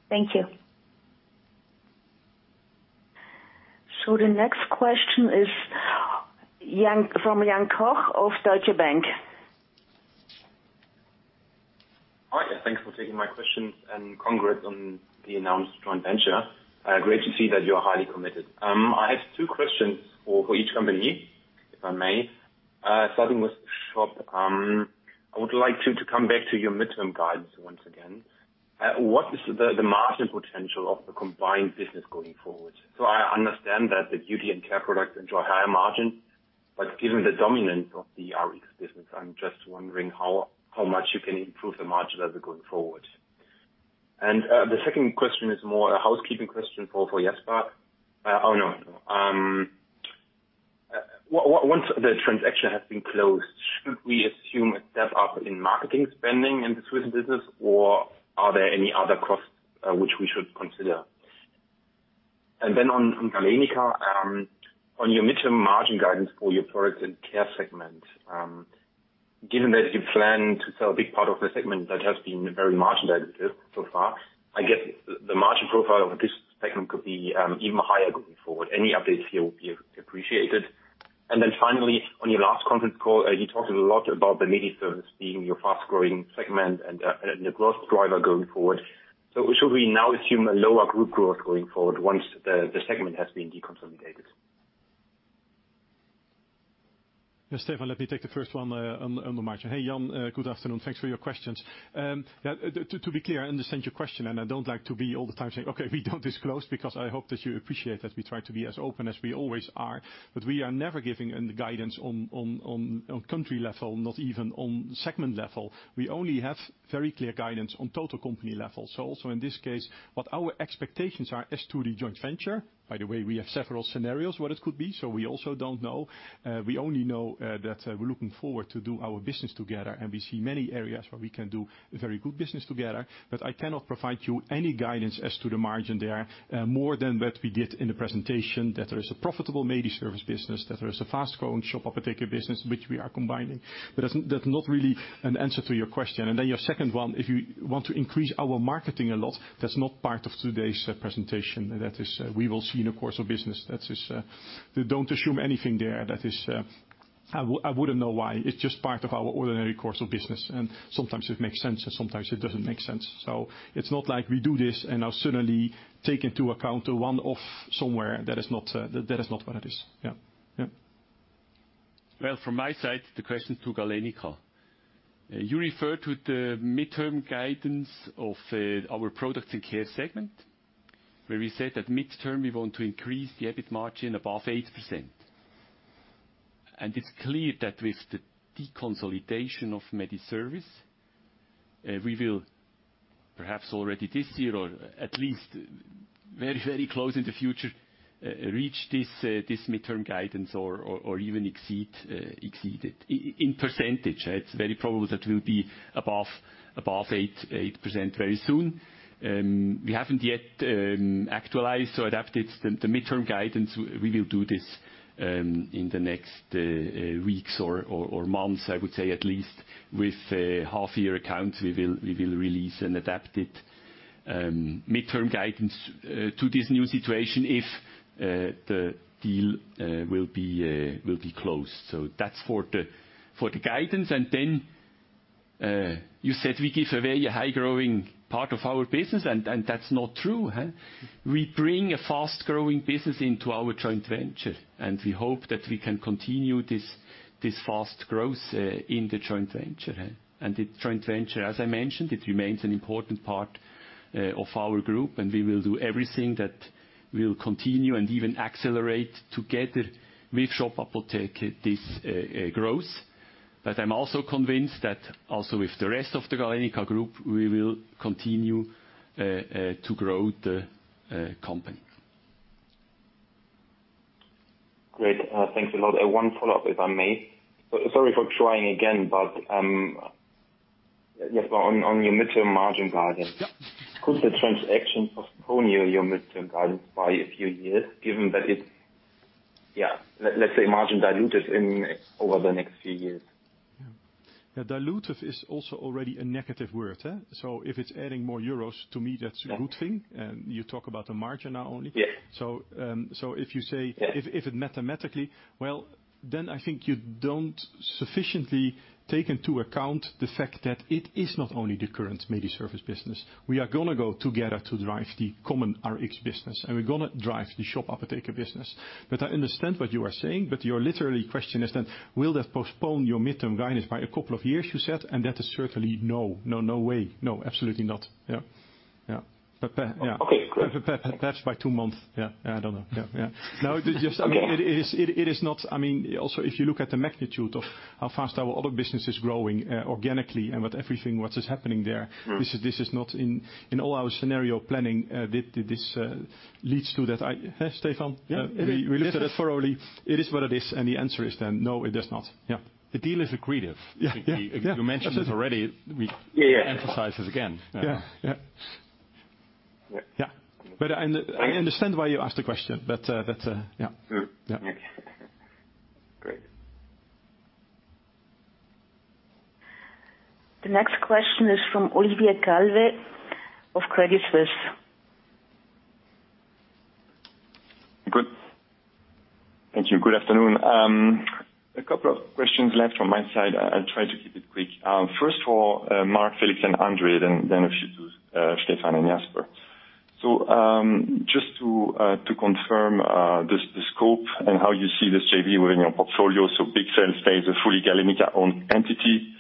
S15: Thank you.
S1: The next question is Jan, from Jan Koch of Deutsche Bank.
S16: Hi, thanks for taking my questions, congrats on the announced joint venture. Great to see that you are highly committed. I have two questions for each company, if I may. Starting with Shop, I would like to come back to your midterm guidance once again. What is the margin potential of the combined business going forward? I understand that the beauty and care products enjoy higher margin, but given the dominance of the Rx business, I'm just wondering how much you can improve the margin as we're going forward. The second question is more a housekeeping question for Jasper. Once the transaction has been closed, should we assume a step up in marketing spending in the Swiss business, or are there any other costs which we should consider? On Galenica, on your midterm margin guidance for your Products & Care segment, given that you plan to sell a big part of the segment that has been very margin dilutive so far, I guess the margin profile of this segment could be even higher going forward. Any updates here would be appreciated. Finally, on your last conference call, you talked a lot about the Mediservice being your fast growing segment and the growth driver going forward. Should we now assume a lower group growth going forward once the segment has been deconsolidated?
S6: Yeah, Stefan, let me take the first one on the margin. Hey, Jan, good afternoon. Thanks for your questions. Yeah, to be clear, I understand your question, and I don't like to be all the time saying, "Okay, we don't disclose," because I hope that you appreciate that we try to be as open as we always are. We are never giving any guidance on country level, not even on segment level. We only have very clear guidance on total company level. Also in this case, what our expectations are as to the joint venture, by the way, we have several scenarios what it could be, so we also don't know. We only know that we're looking forward to do our business together, and we see many areas where we can do very good business together. I cannot provide you any guidance as to the margin there, more than what we did in the presentation, that there is a profitable Mediservice business, that there is a fast-growing Shop Apotheke business, which we are combining. That's not really an answer to your question. Your second one, if you want to increase our marketing a lot, that's not part of today's presentation. That is, we will see in the course of business. That is, don't assume anything there. That is, I wouldn't know why. It's just part of our ordinary course of business, and sometimes it makes sense, and sometimes it doesn't make sense. It's not like we do this and now suddenly take into account a one-off somewhere. That is not, that is not what it is. Yeah. Yeah.
S5: Well, from my side, the question to Galenica. You refer to the midterm guidance of our Products & Care segment, where we said that midterm we want to increase the EBIT margin above 8%. It's clear that with the deconsolidation of Mediservice, we will perhaps already this year, or at least very, very close in the future, reach this midterm guidance or even exceed it. In percentage, it's very probable that we'll be above 8% very soon. We haven't yet actualized or adapted the midterm guidance. We will do this in the next weeks or months, I would say, at least. With the half year accounts, we will release an adapted midterm guidance to this new situation if the deal will be closed. That's for the guidance. Then you said we give a very high growing part of our business, and that's not true, huh? We bring a fast-growing business into our joint venture, and we hope that we can continue this fast growth in the joint venture, yeah. The joint venture, as I mentioned, it remains an important part of our Group, and we will do everything that will continue and even accelerate together with Shop Apotheke this growth. I'm also convinced that also with the rest of the Galenica Group, we will continue to grow the company.
S16: Great. Thanks a lot. One follow-up, if I may. Sorry for trying again, but, Jasper, on your midterm margin guidance.
S6: Yeah.
S16: Could the transaction postpone your midterm guidance by a few years, given that it let's say margin dilutive over the next few years?
S6: Yeah. Dilutive is also already a negative word, huh? If it's adding more euros, to me, that's a good thing.
S16: Yeah.
S6: You talk about the margin now only.
S16: Yeah.
S6: if you
S16: Yeah.
S6: If it mathematically, well, then I think you don't sufficiently take into account the fact that it is not only the current Mediservice business. We are gonna go together to drive the common Rx business, and we're gonna drive the Shop Apotheke business. I understand what you are saying, but your literally question is then, will that postpone your midterm guidance by a couple of years, you said? That is certainly no. No, no way. No, absolutely not. Yeah. Yeah.
S16: Okay, great.
S6: Perhaps by two months. Yeah. I don't know. Yeah. Yeah. No, just, I mean, it is, it is not... I mean, also, if you look at the magnitude of how fast our other business is growing, organically and with everything, what is happening there-
S16: Mm-hmm.
S6: This is not in all our scenario planning, did this leads to that. Stefan?
S5: Yeah.
S6: We looked at it thoroughly. It is what it is. The answer is then no, it does not. Yeah.
S5: The deal is accretive.
S6: Yeah. Yeah.
S5: You mentioned it already.
S16: Yeah, yeah.
S5: emphasize it again.
S6: Yeah. Yeah.
S5: Yeah.
S6: I understand why you asked the question, but that's... Yeah.
S16: Mm-hmm.
S6: Yeah.
S16: Okay. Great.
S1: The next question is from Olivier Calvet of Credit Suisse.
S17: Good. Thank you. Good afternoon. A couple of questions left from my side. I'll try to keep it quick. First for Marc, Felix, and André, then a few to Stefan and Jasper. Just to confirm the scope and how you see this JV within your portfolio. Bichsel stays a fully Galenica-owned entity,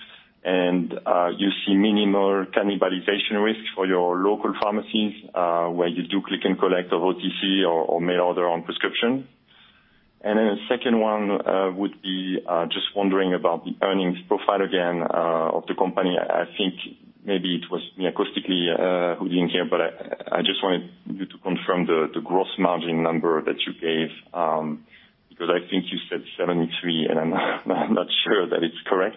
S17: and you see minimal cannibalization risk for your local pharmacies, where you do click and collect of OTC or mail order on prescription. The second one would be just wondering about the earnings profile again of the company. I think maybe it was me acoustically hooding here, but I just wanted you to confirm the gross margin number that you gave, because I think you said 73%, and I'm not sure that it's correct.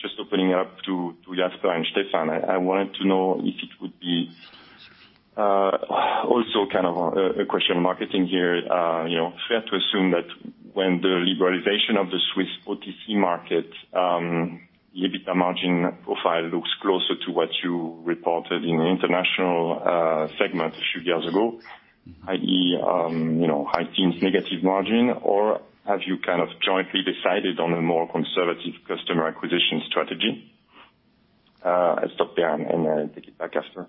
S17: Just opening up to Jasper and Stefan, I wanted to know if it would be also kind of a question of marketing here. You know, fair to assume that when the liberalization of the Swiss OTC market, the EBITDA margin profile looks closer to what you reported in the international segment a few years ago, i.e., you know, high teens negative margin, or have you kind of jointly decided on a more conservative customer acquisition strategy? I'll stop there and take it back after.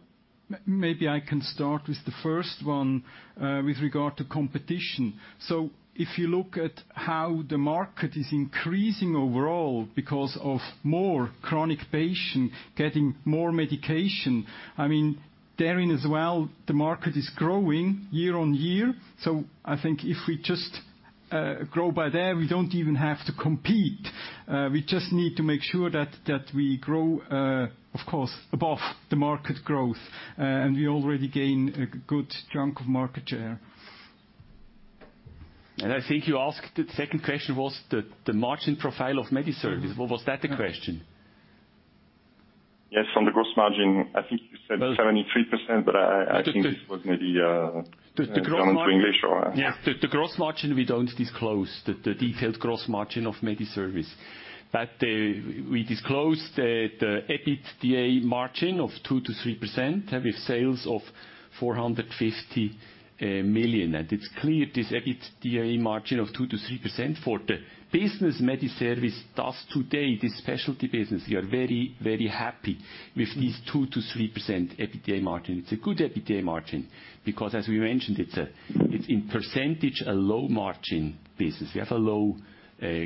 S4: Maybe I can start with the first one, with regard to competition. If you look at how the market is increasing overall because of more chronic patient getting more medication, I mean, therein as well, the market is growing year on year. I think if we just grow by there, we don't even have to compete. We just need to make sure that we grow, of course, above the market growth. We already gain a good chunk of market share.
S2: I think you asked, the second question was the margin profile of Mediservice. Was that the question?
S17: Yes. On the gross margin, I think you said 73%, but I think this was maybe, German to English or...
S2: The gross margin.
S4: Yeah.
S2: The gross margin we don't disclose, the detailed gross margin of Mediservice. We disclosed the EBITDA margin of 2%-3%. Have its sales of 450 million. It's clear this EBITDA margin of 2%-3% for the business Mediservice does today, the specialty business, we are very happy with these 2%-3% EBITDA margin. It's a good EBITDA margin. As we mentioned, it's in percentage a low margin business. We have a low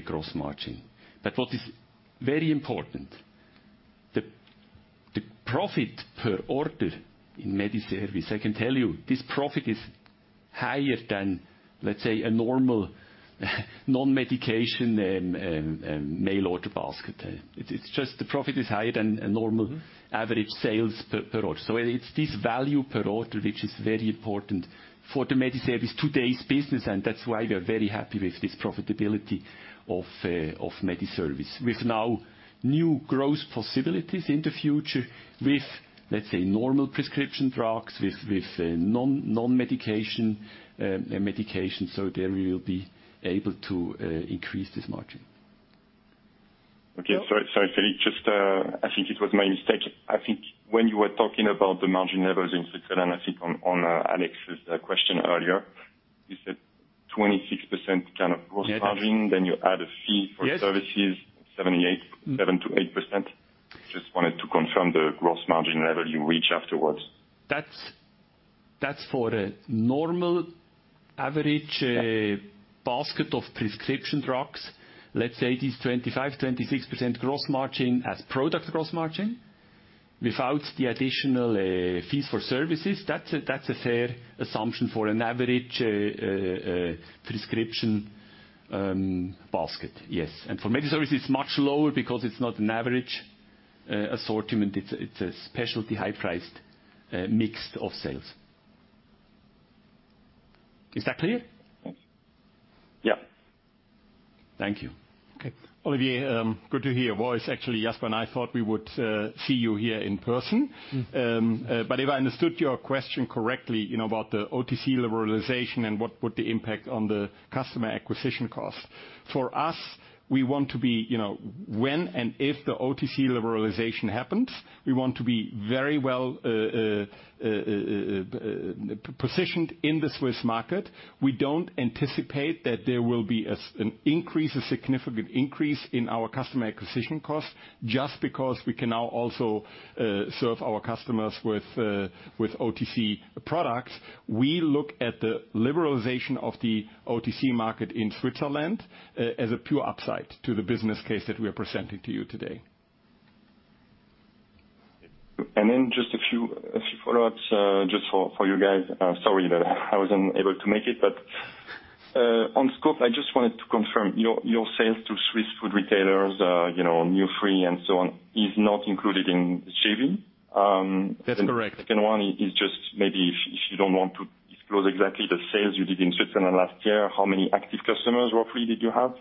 S2: gross margin. What is very important, the profit per order in Mediservice, I can tell you this profit is higher than, let's say, a normal non-medication mail order basket. It's just the profit is higher than a normal average sales per order. it's this value per order which is very important for the Mediservice today's business, and that's why we are very happy with this profitability of Mediservice. With now new growth possibilities in the future with, let's say, normal prescription drugs, with non-medication medications. There we will be able to increase this margin.
S17: Okay. Sorry, sorry, Philippe. Just, I think it was my mistake. I think when you were talking about the margin levels in Switzerland, I think on Alex's question earlier, you said 26% kind of gross margin.
S4: Yes.
S17: You add a fee for services.
S4: Yes.
S17: 78%. 7%-8%. Just wanted to confirm the gross margin level you reach afterwards?
S4: That's for a normal.
S17: Yeah.
S4: basket of prescription drugs. Let's say it is 25%-26% gross margin as product gross margin without the additional fees for services. That's a fair assumption for an average prescription basket. Yes. For Mediservice, it's much lower because it's not an average assortment. It's a specialty high-priced mixed of sales. Is that clear?
S17: Yeah.
S4: Thank you.
S2: Okay. Olivier, good to hear your voice. Actually, Jasper and I thought we would see you here in person. If I understood your question correctly, you know, about the OTC liberalization and what would the impact on the customer acquisition cost. For us, we want to be, you know, when and if the OTC liberalization happens, we want to be very well positioned in the Swiss market. We don't anticipate that there will be an increase, a significant increase in our customer acquisition cost just because we can now also serve our customers with OTC products. We look at the liberalization of the OTC market in Switzerland as a pure upside to the business case that we are presenting to you today.
S17: Just a few, a few follow-ups, just for you guys. Sorry that I wasn't able to make it. On scope, I just wanted to confirm, your sales to Swiss food retailers, you know, Dufry and so on, is not included in the JV?
S2: That's correct.
S17: Second one is just maybe if you don't want to disclose exactly the sales you did in Switzerland last year, how many active customers roughly did you have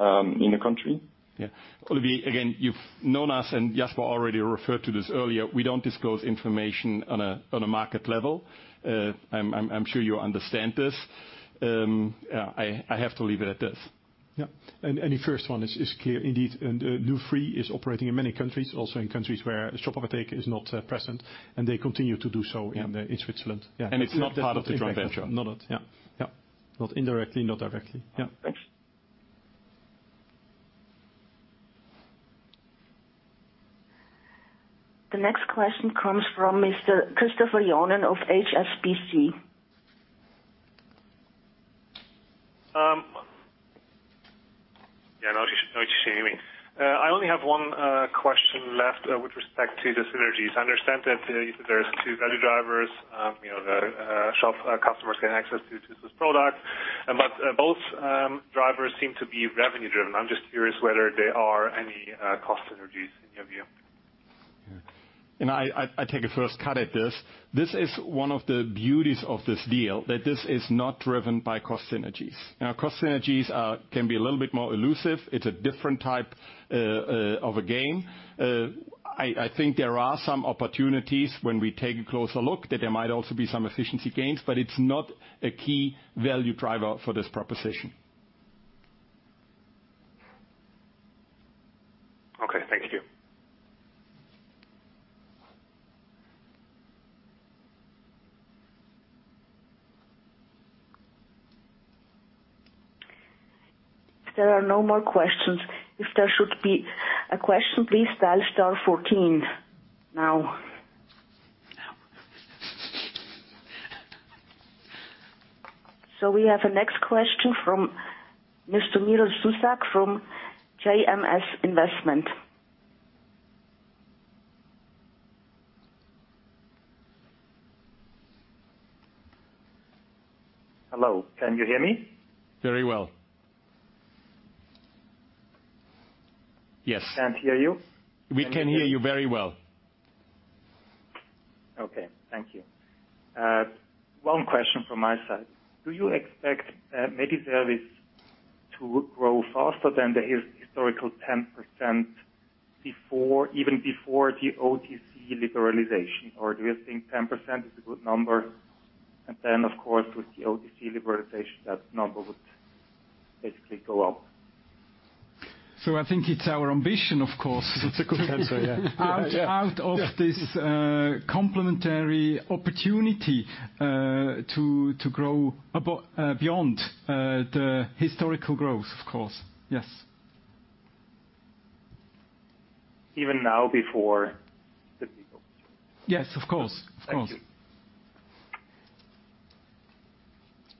S17: in the country?
S2: Yeah. Olivier, again, you've known us and Jasper already referred to this earlier, we don't disclose information on a market level. I'm sure you understand this. Yeah, I have to leave it at this.
S4: Yeah. The first one is clear indeed. Dufry is operating in many countries, also in countries where Shop Apotheke is not present, and they continue to do so.
S2: Yeah.
S4: in Switzerland. Yeah.
S2: It's not part of the transaction.
S4: Not at, yeah. Yeah. Not indirectly, not directly. Yeah.
S17: Thanks.
S1: The next question comes from Mr. Christoph Jonen of HSBC.
S18: Yeah. No shame in it. I only have one question left with respect to the synergies. I understand that there's two value drivers, you know, the Shop customers getting access to this product. Both drivers seem to be revenue driven. I'm just curious whether there are any cost synergies in your view.
S2: Yeah. I take a first cut at this. This is one of the beauties of this deal, that this is not driven by cost synergies. Now!, cost synergies are, can be a little bit more elusive. It's a different type of a game. I think there are some opportunities when we take a closer look that there might also be some efficiency gains, but it's not a key value driver for this proposition.
S18: Okay. Thank you.
S1: If there are no more questions. If there should be a question, please dial star 14 now. We have a next question from Mr. Milo Susak from JMS Investment.
S19: Hello, can you hear me?
S2: Very well. Yes.
S19: Can't hear you.
S2: We can hear you very well.
S19: Okay, thank you. One question from my side. Do you expect Mediservice to grow faster than the historical 10% before, even before the OTC liberalization? Do you think 10% is a good number, and then of course, with the OTC liberalization, that number would basically go up?
S4: I think it's our ambition, of course.
S2: That's a good answer, yeah.
S4: Out of this, complementary opportunity, to grow above, beyond, the historical growth, of course, yes.
S19: Even now before the
S4: Yes, of course. Of course.
S19: Thank you.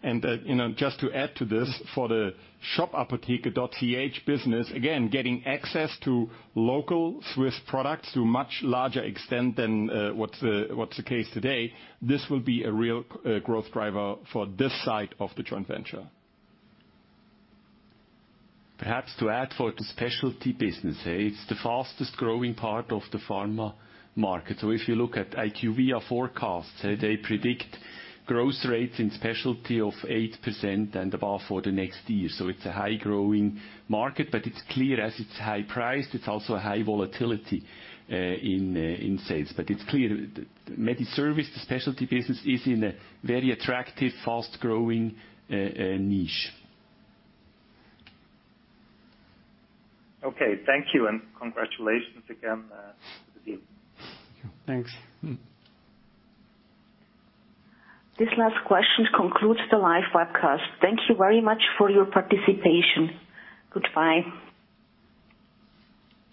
S2: You know, just to add to this, for the shop-apotheke.ch business, again, getting access to local Swiss products to a much larger extent than what's the case today, this will be a real growth driver for this side of the joint venture.
S5: Perhaps to add for the specialty business, it's the fastest growing part of the pharma market. If you look at IQVIA forecasts, they predict growth rates in specialty of 8% and above for the next year. It's a high growing market, but it's clear as it's high priced, it's also a high volatility in sales. It's clear Mediservice, the specialty business, is in a very attractive, fast growing niche.
S19: Okay, thank you, and congratulations again, to the team.
S2: Thanks.
S1: This last question concludes the live webcast. Thank you very much for your participation. Goodbye.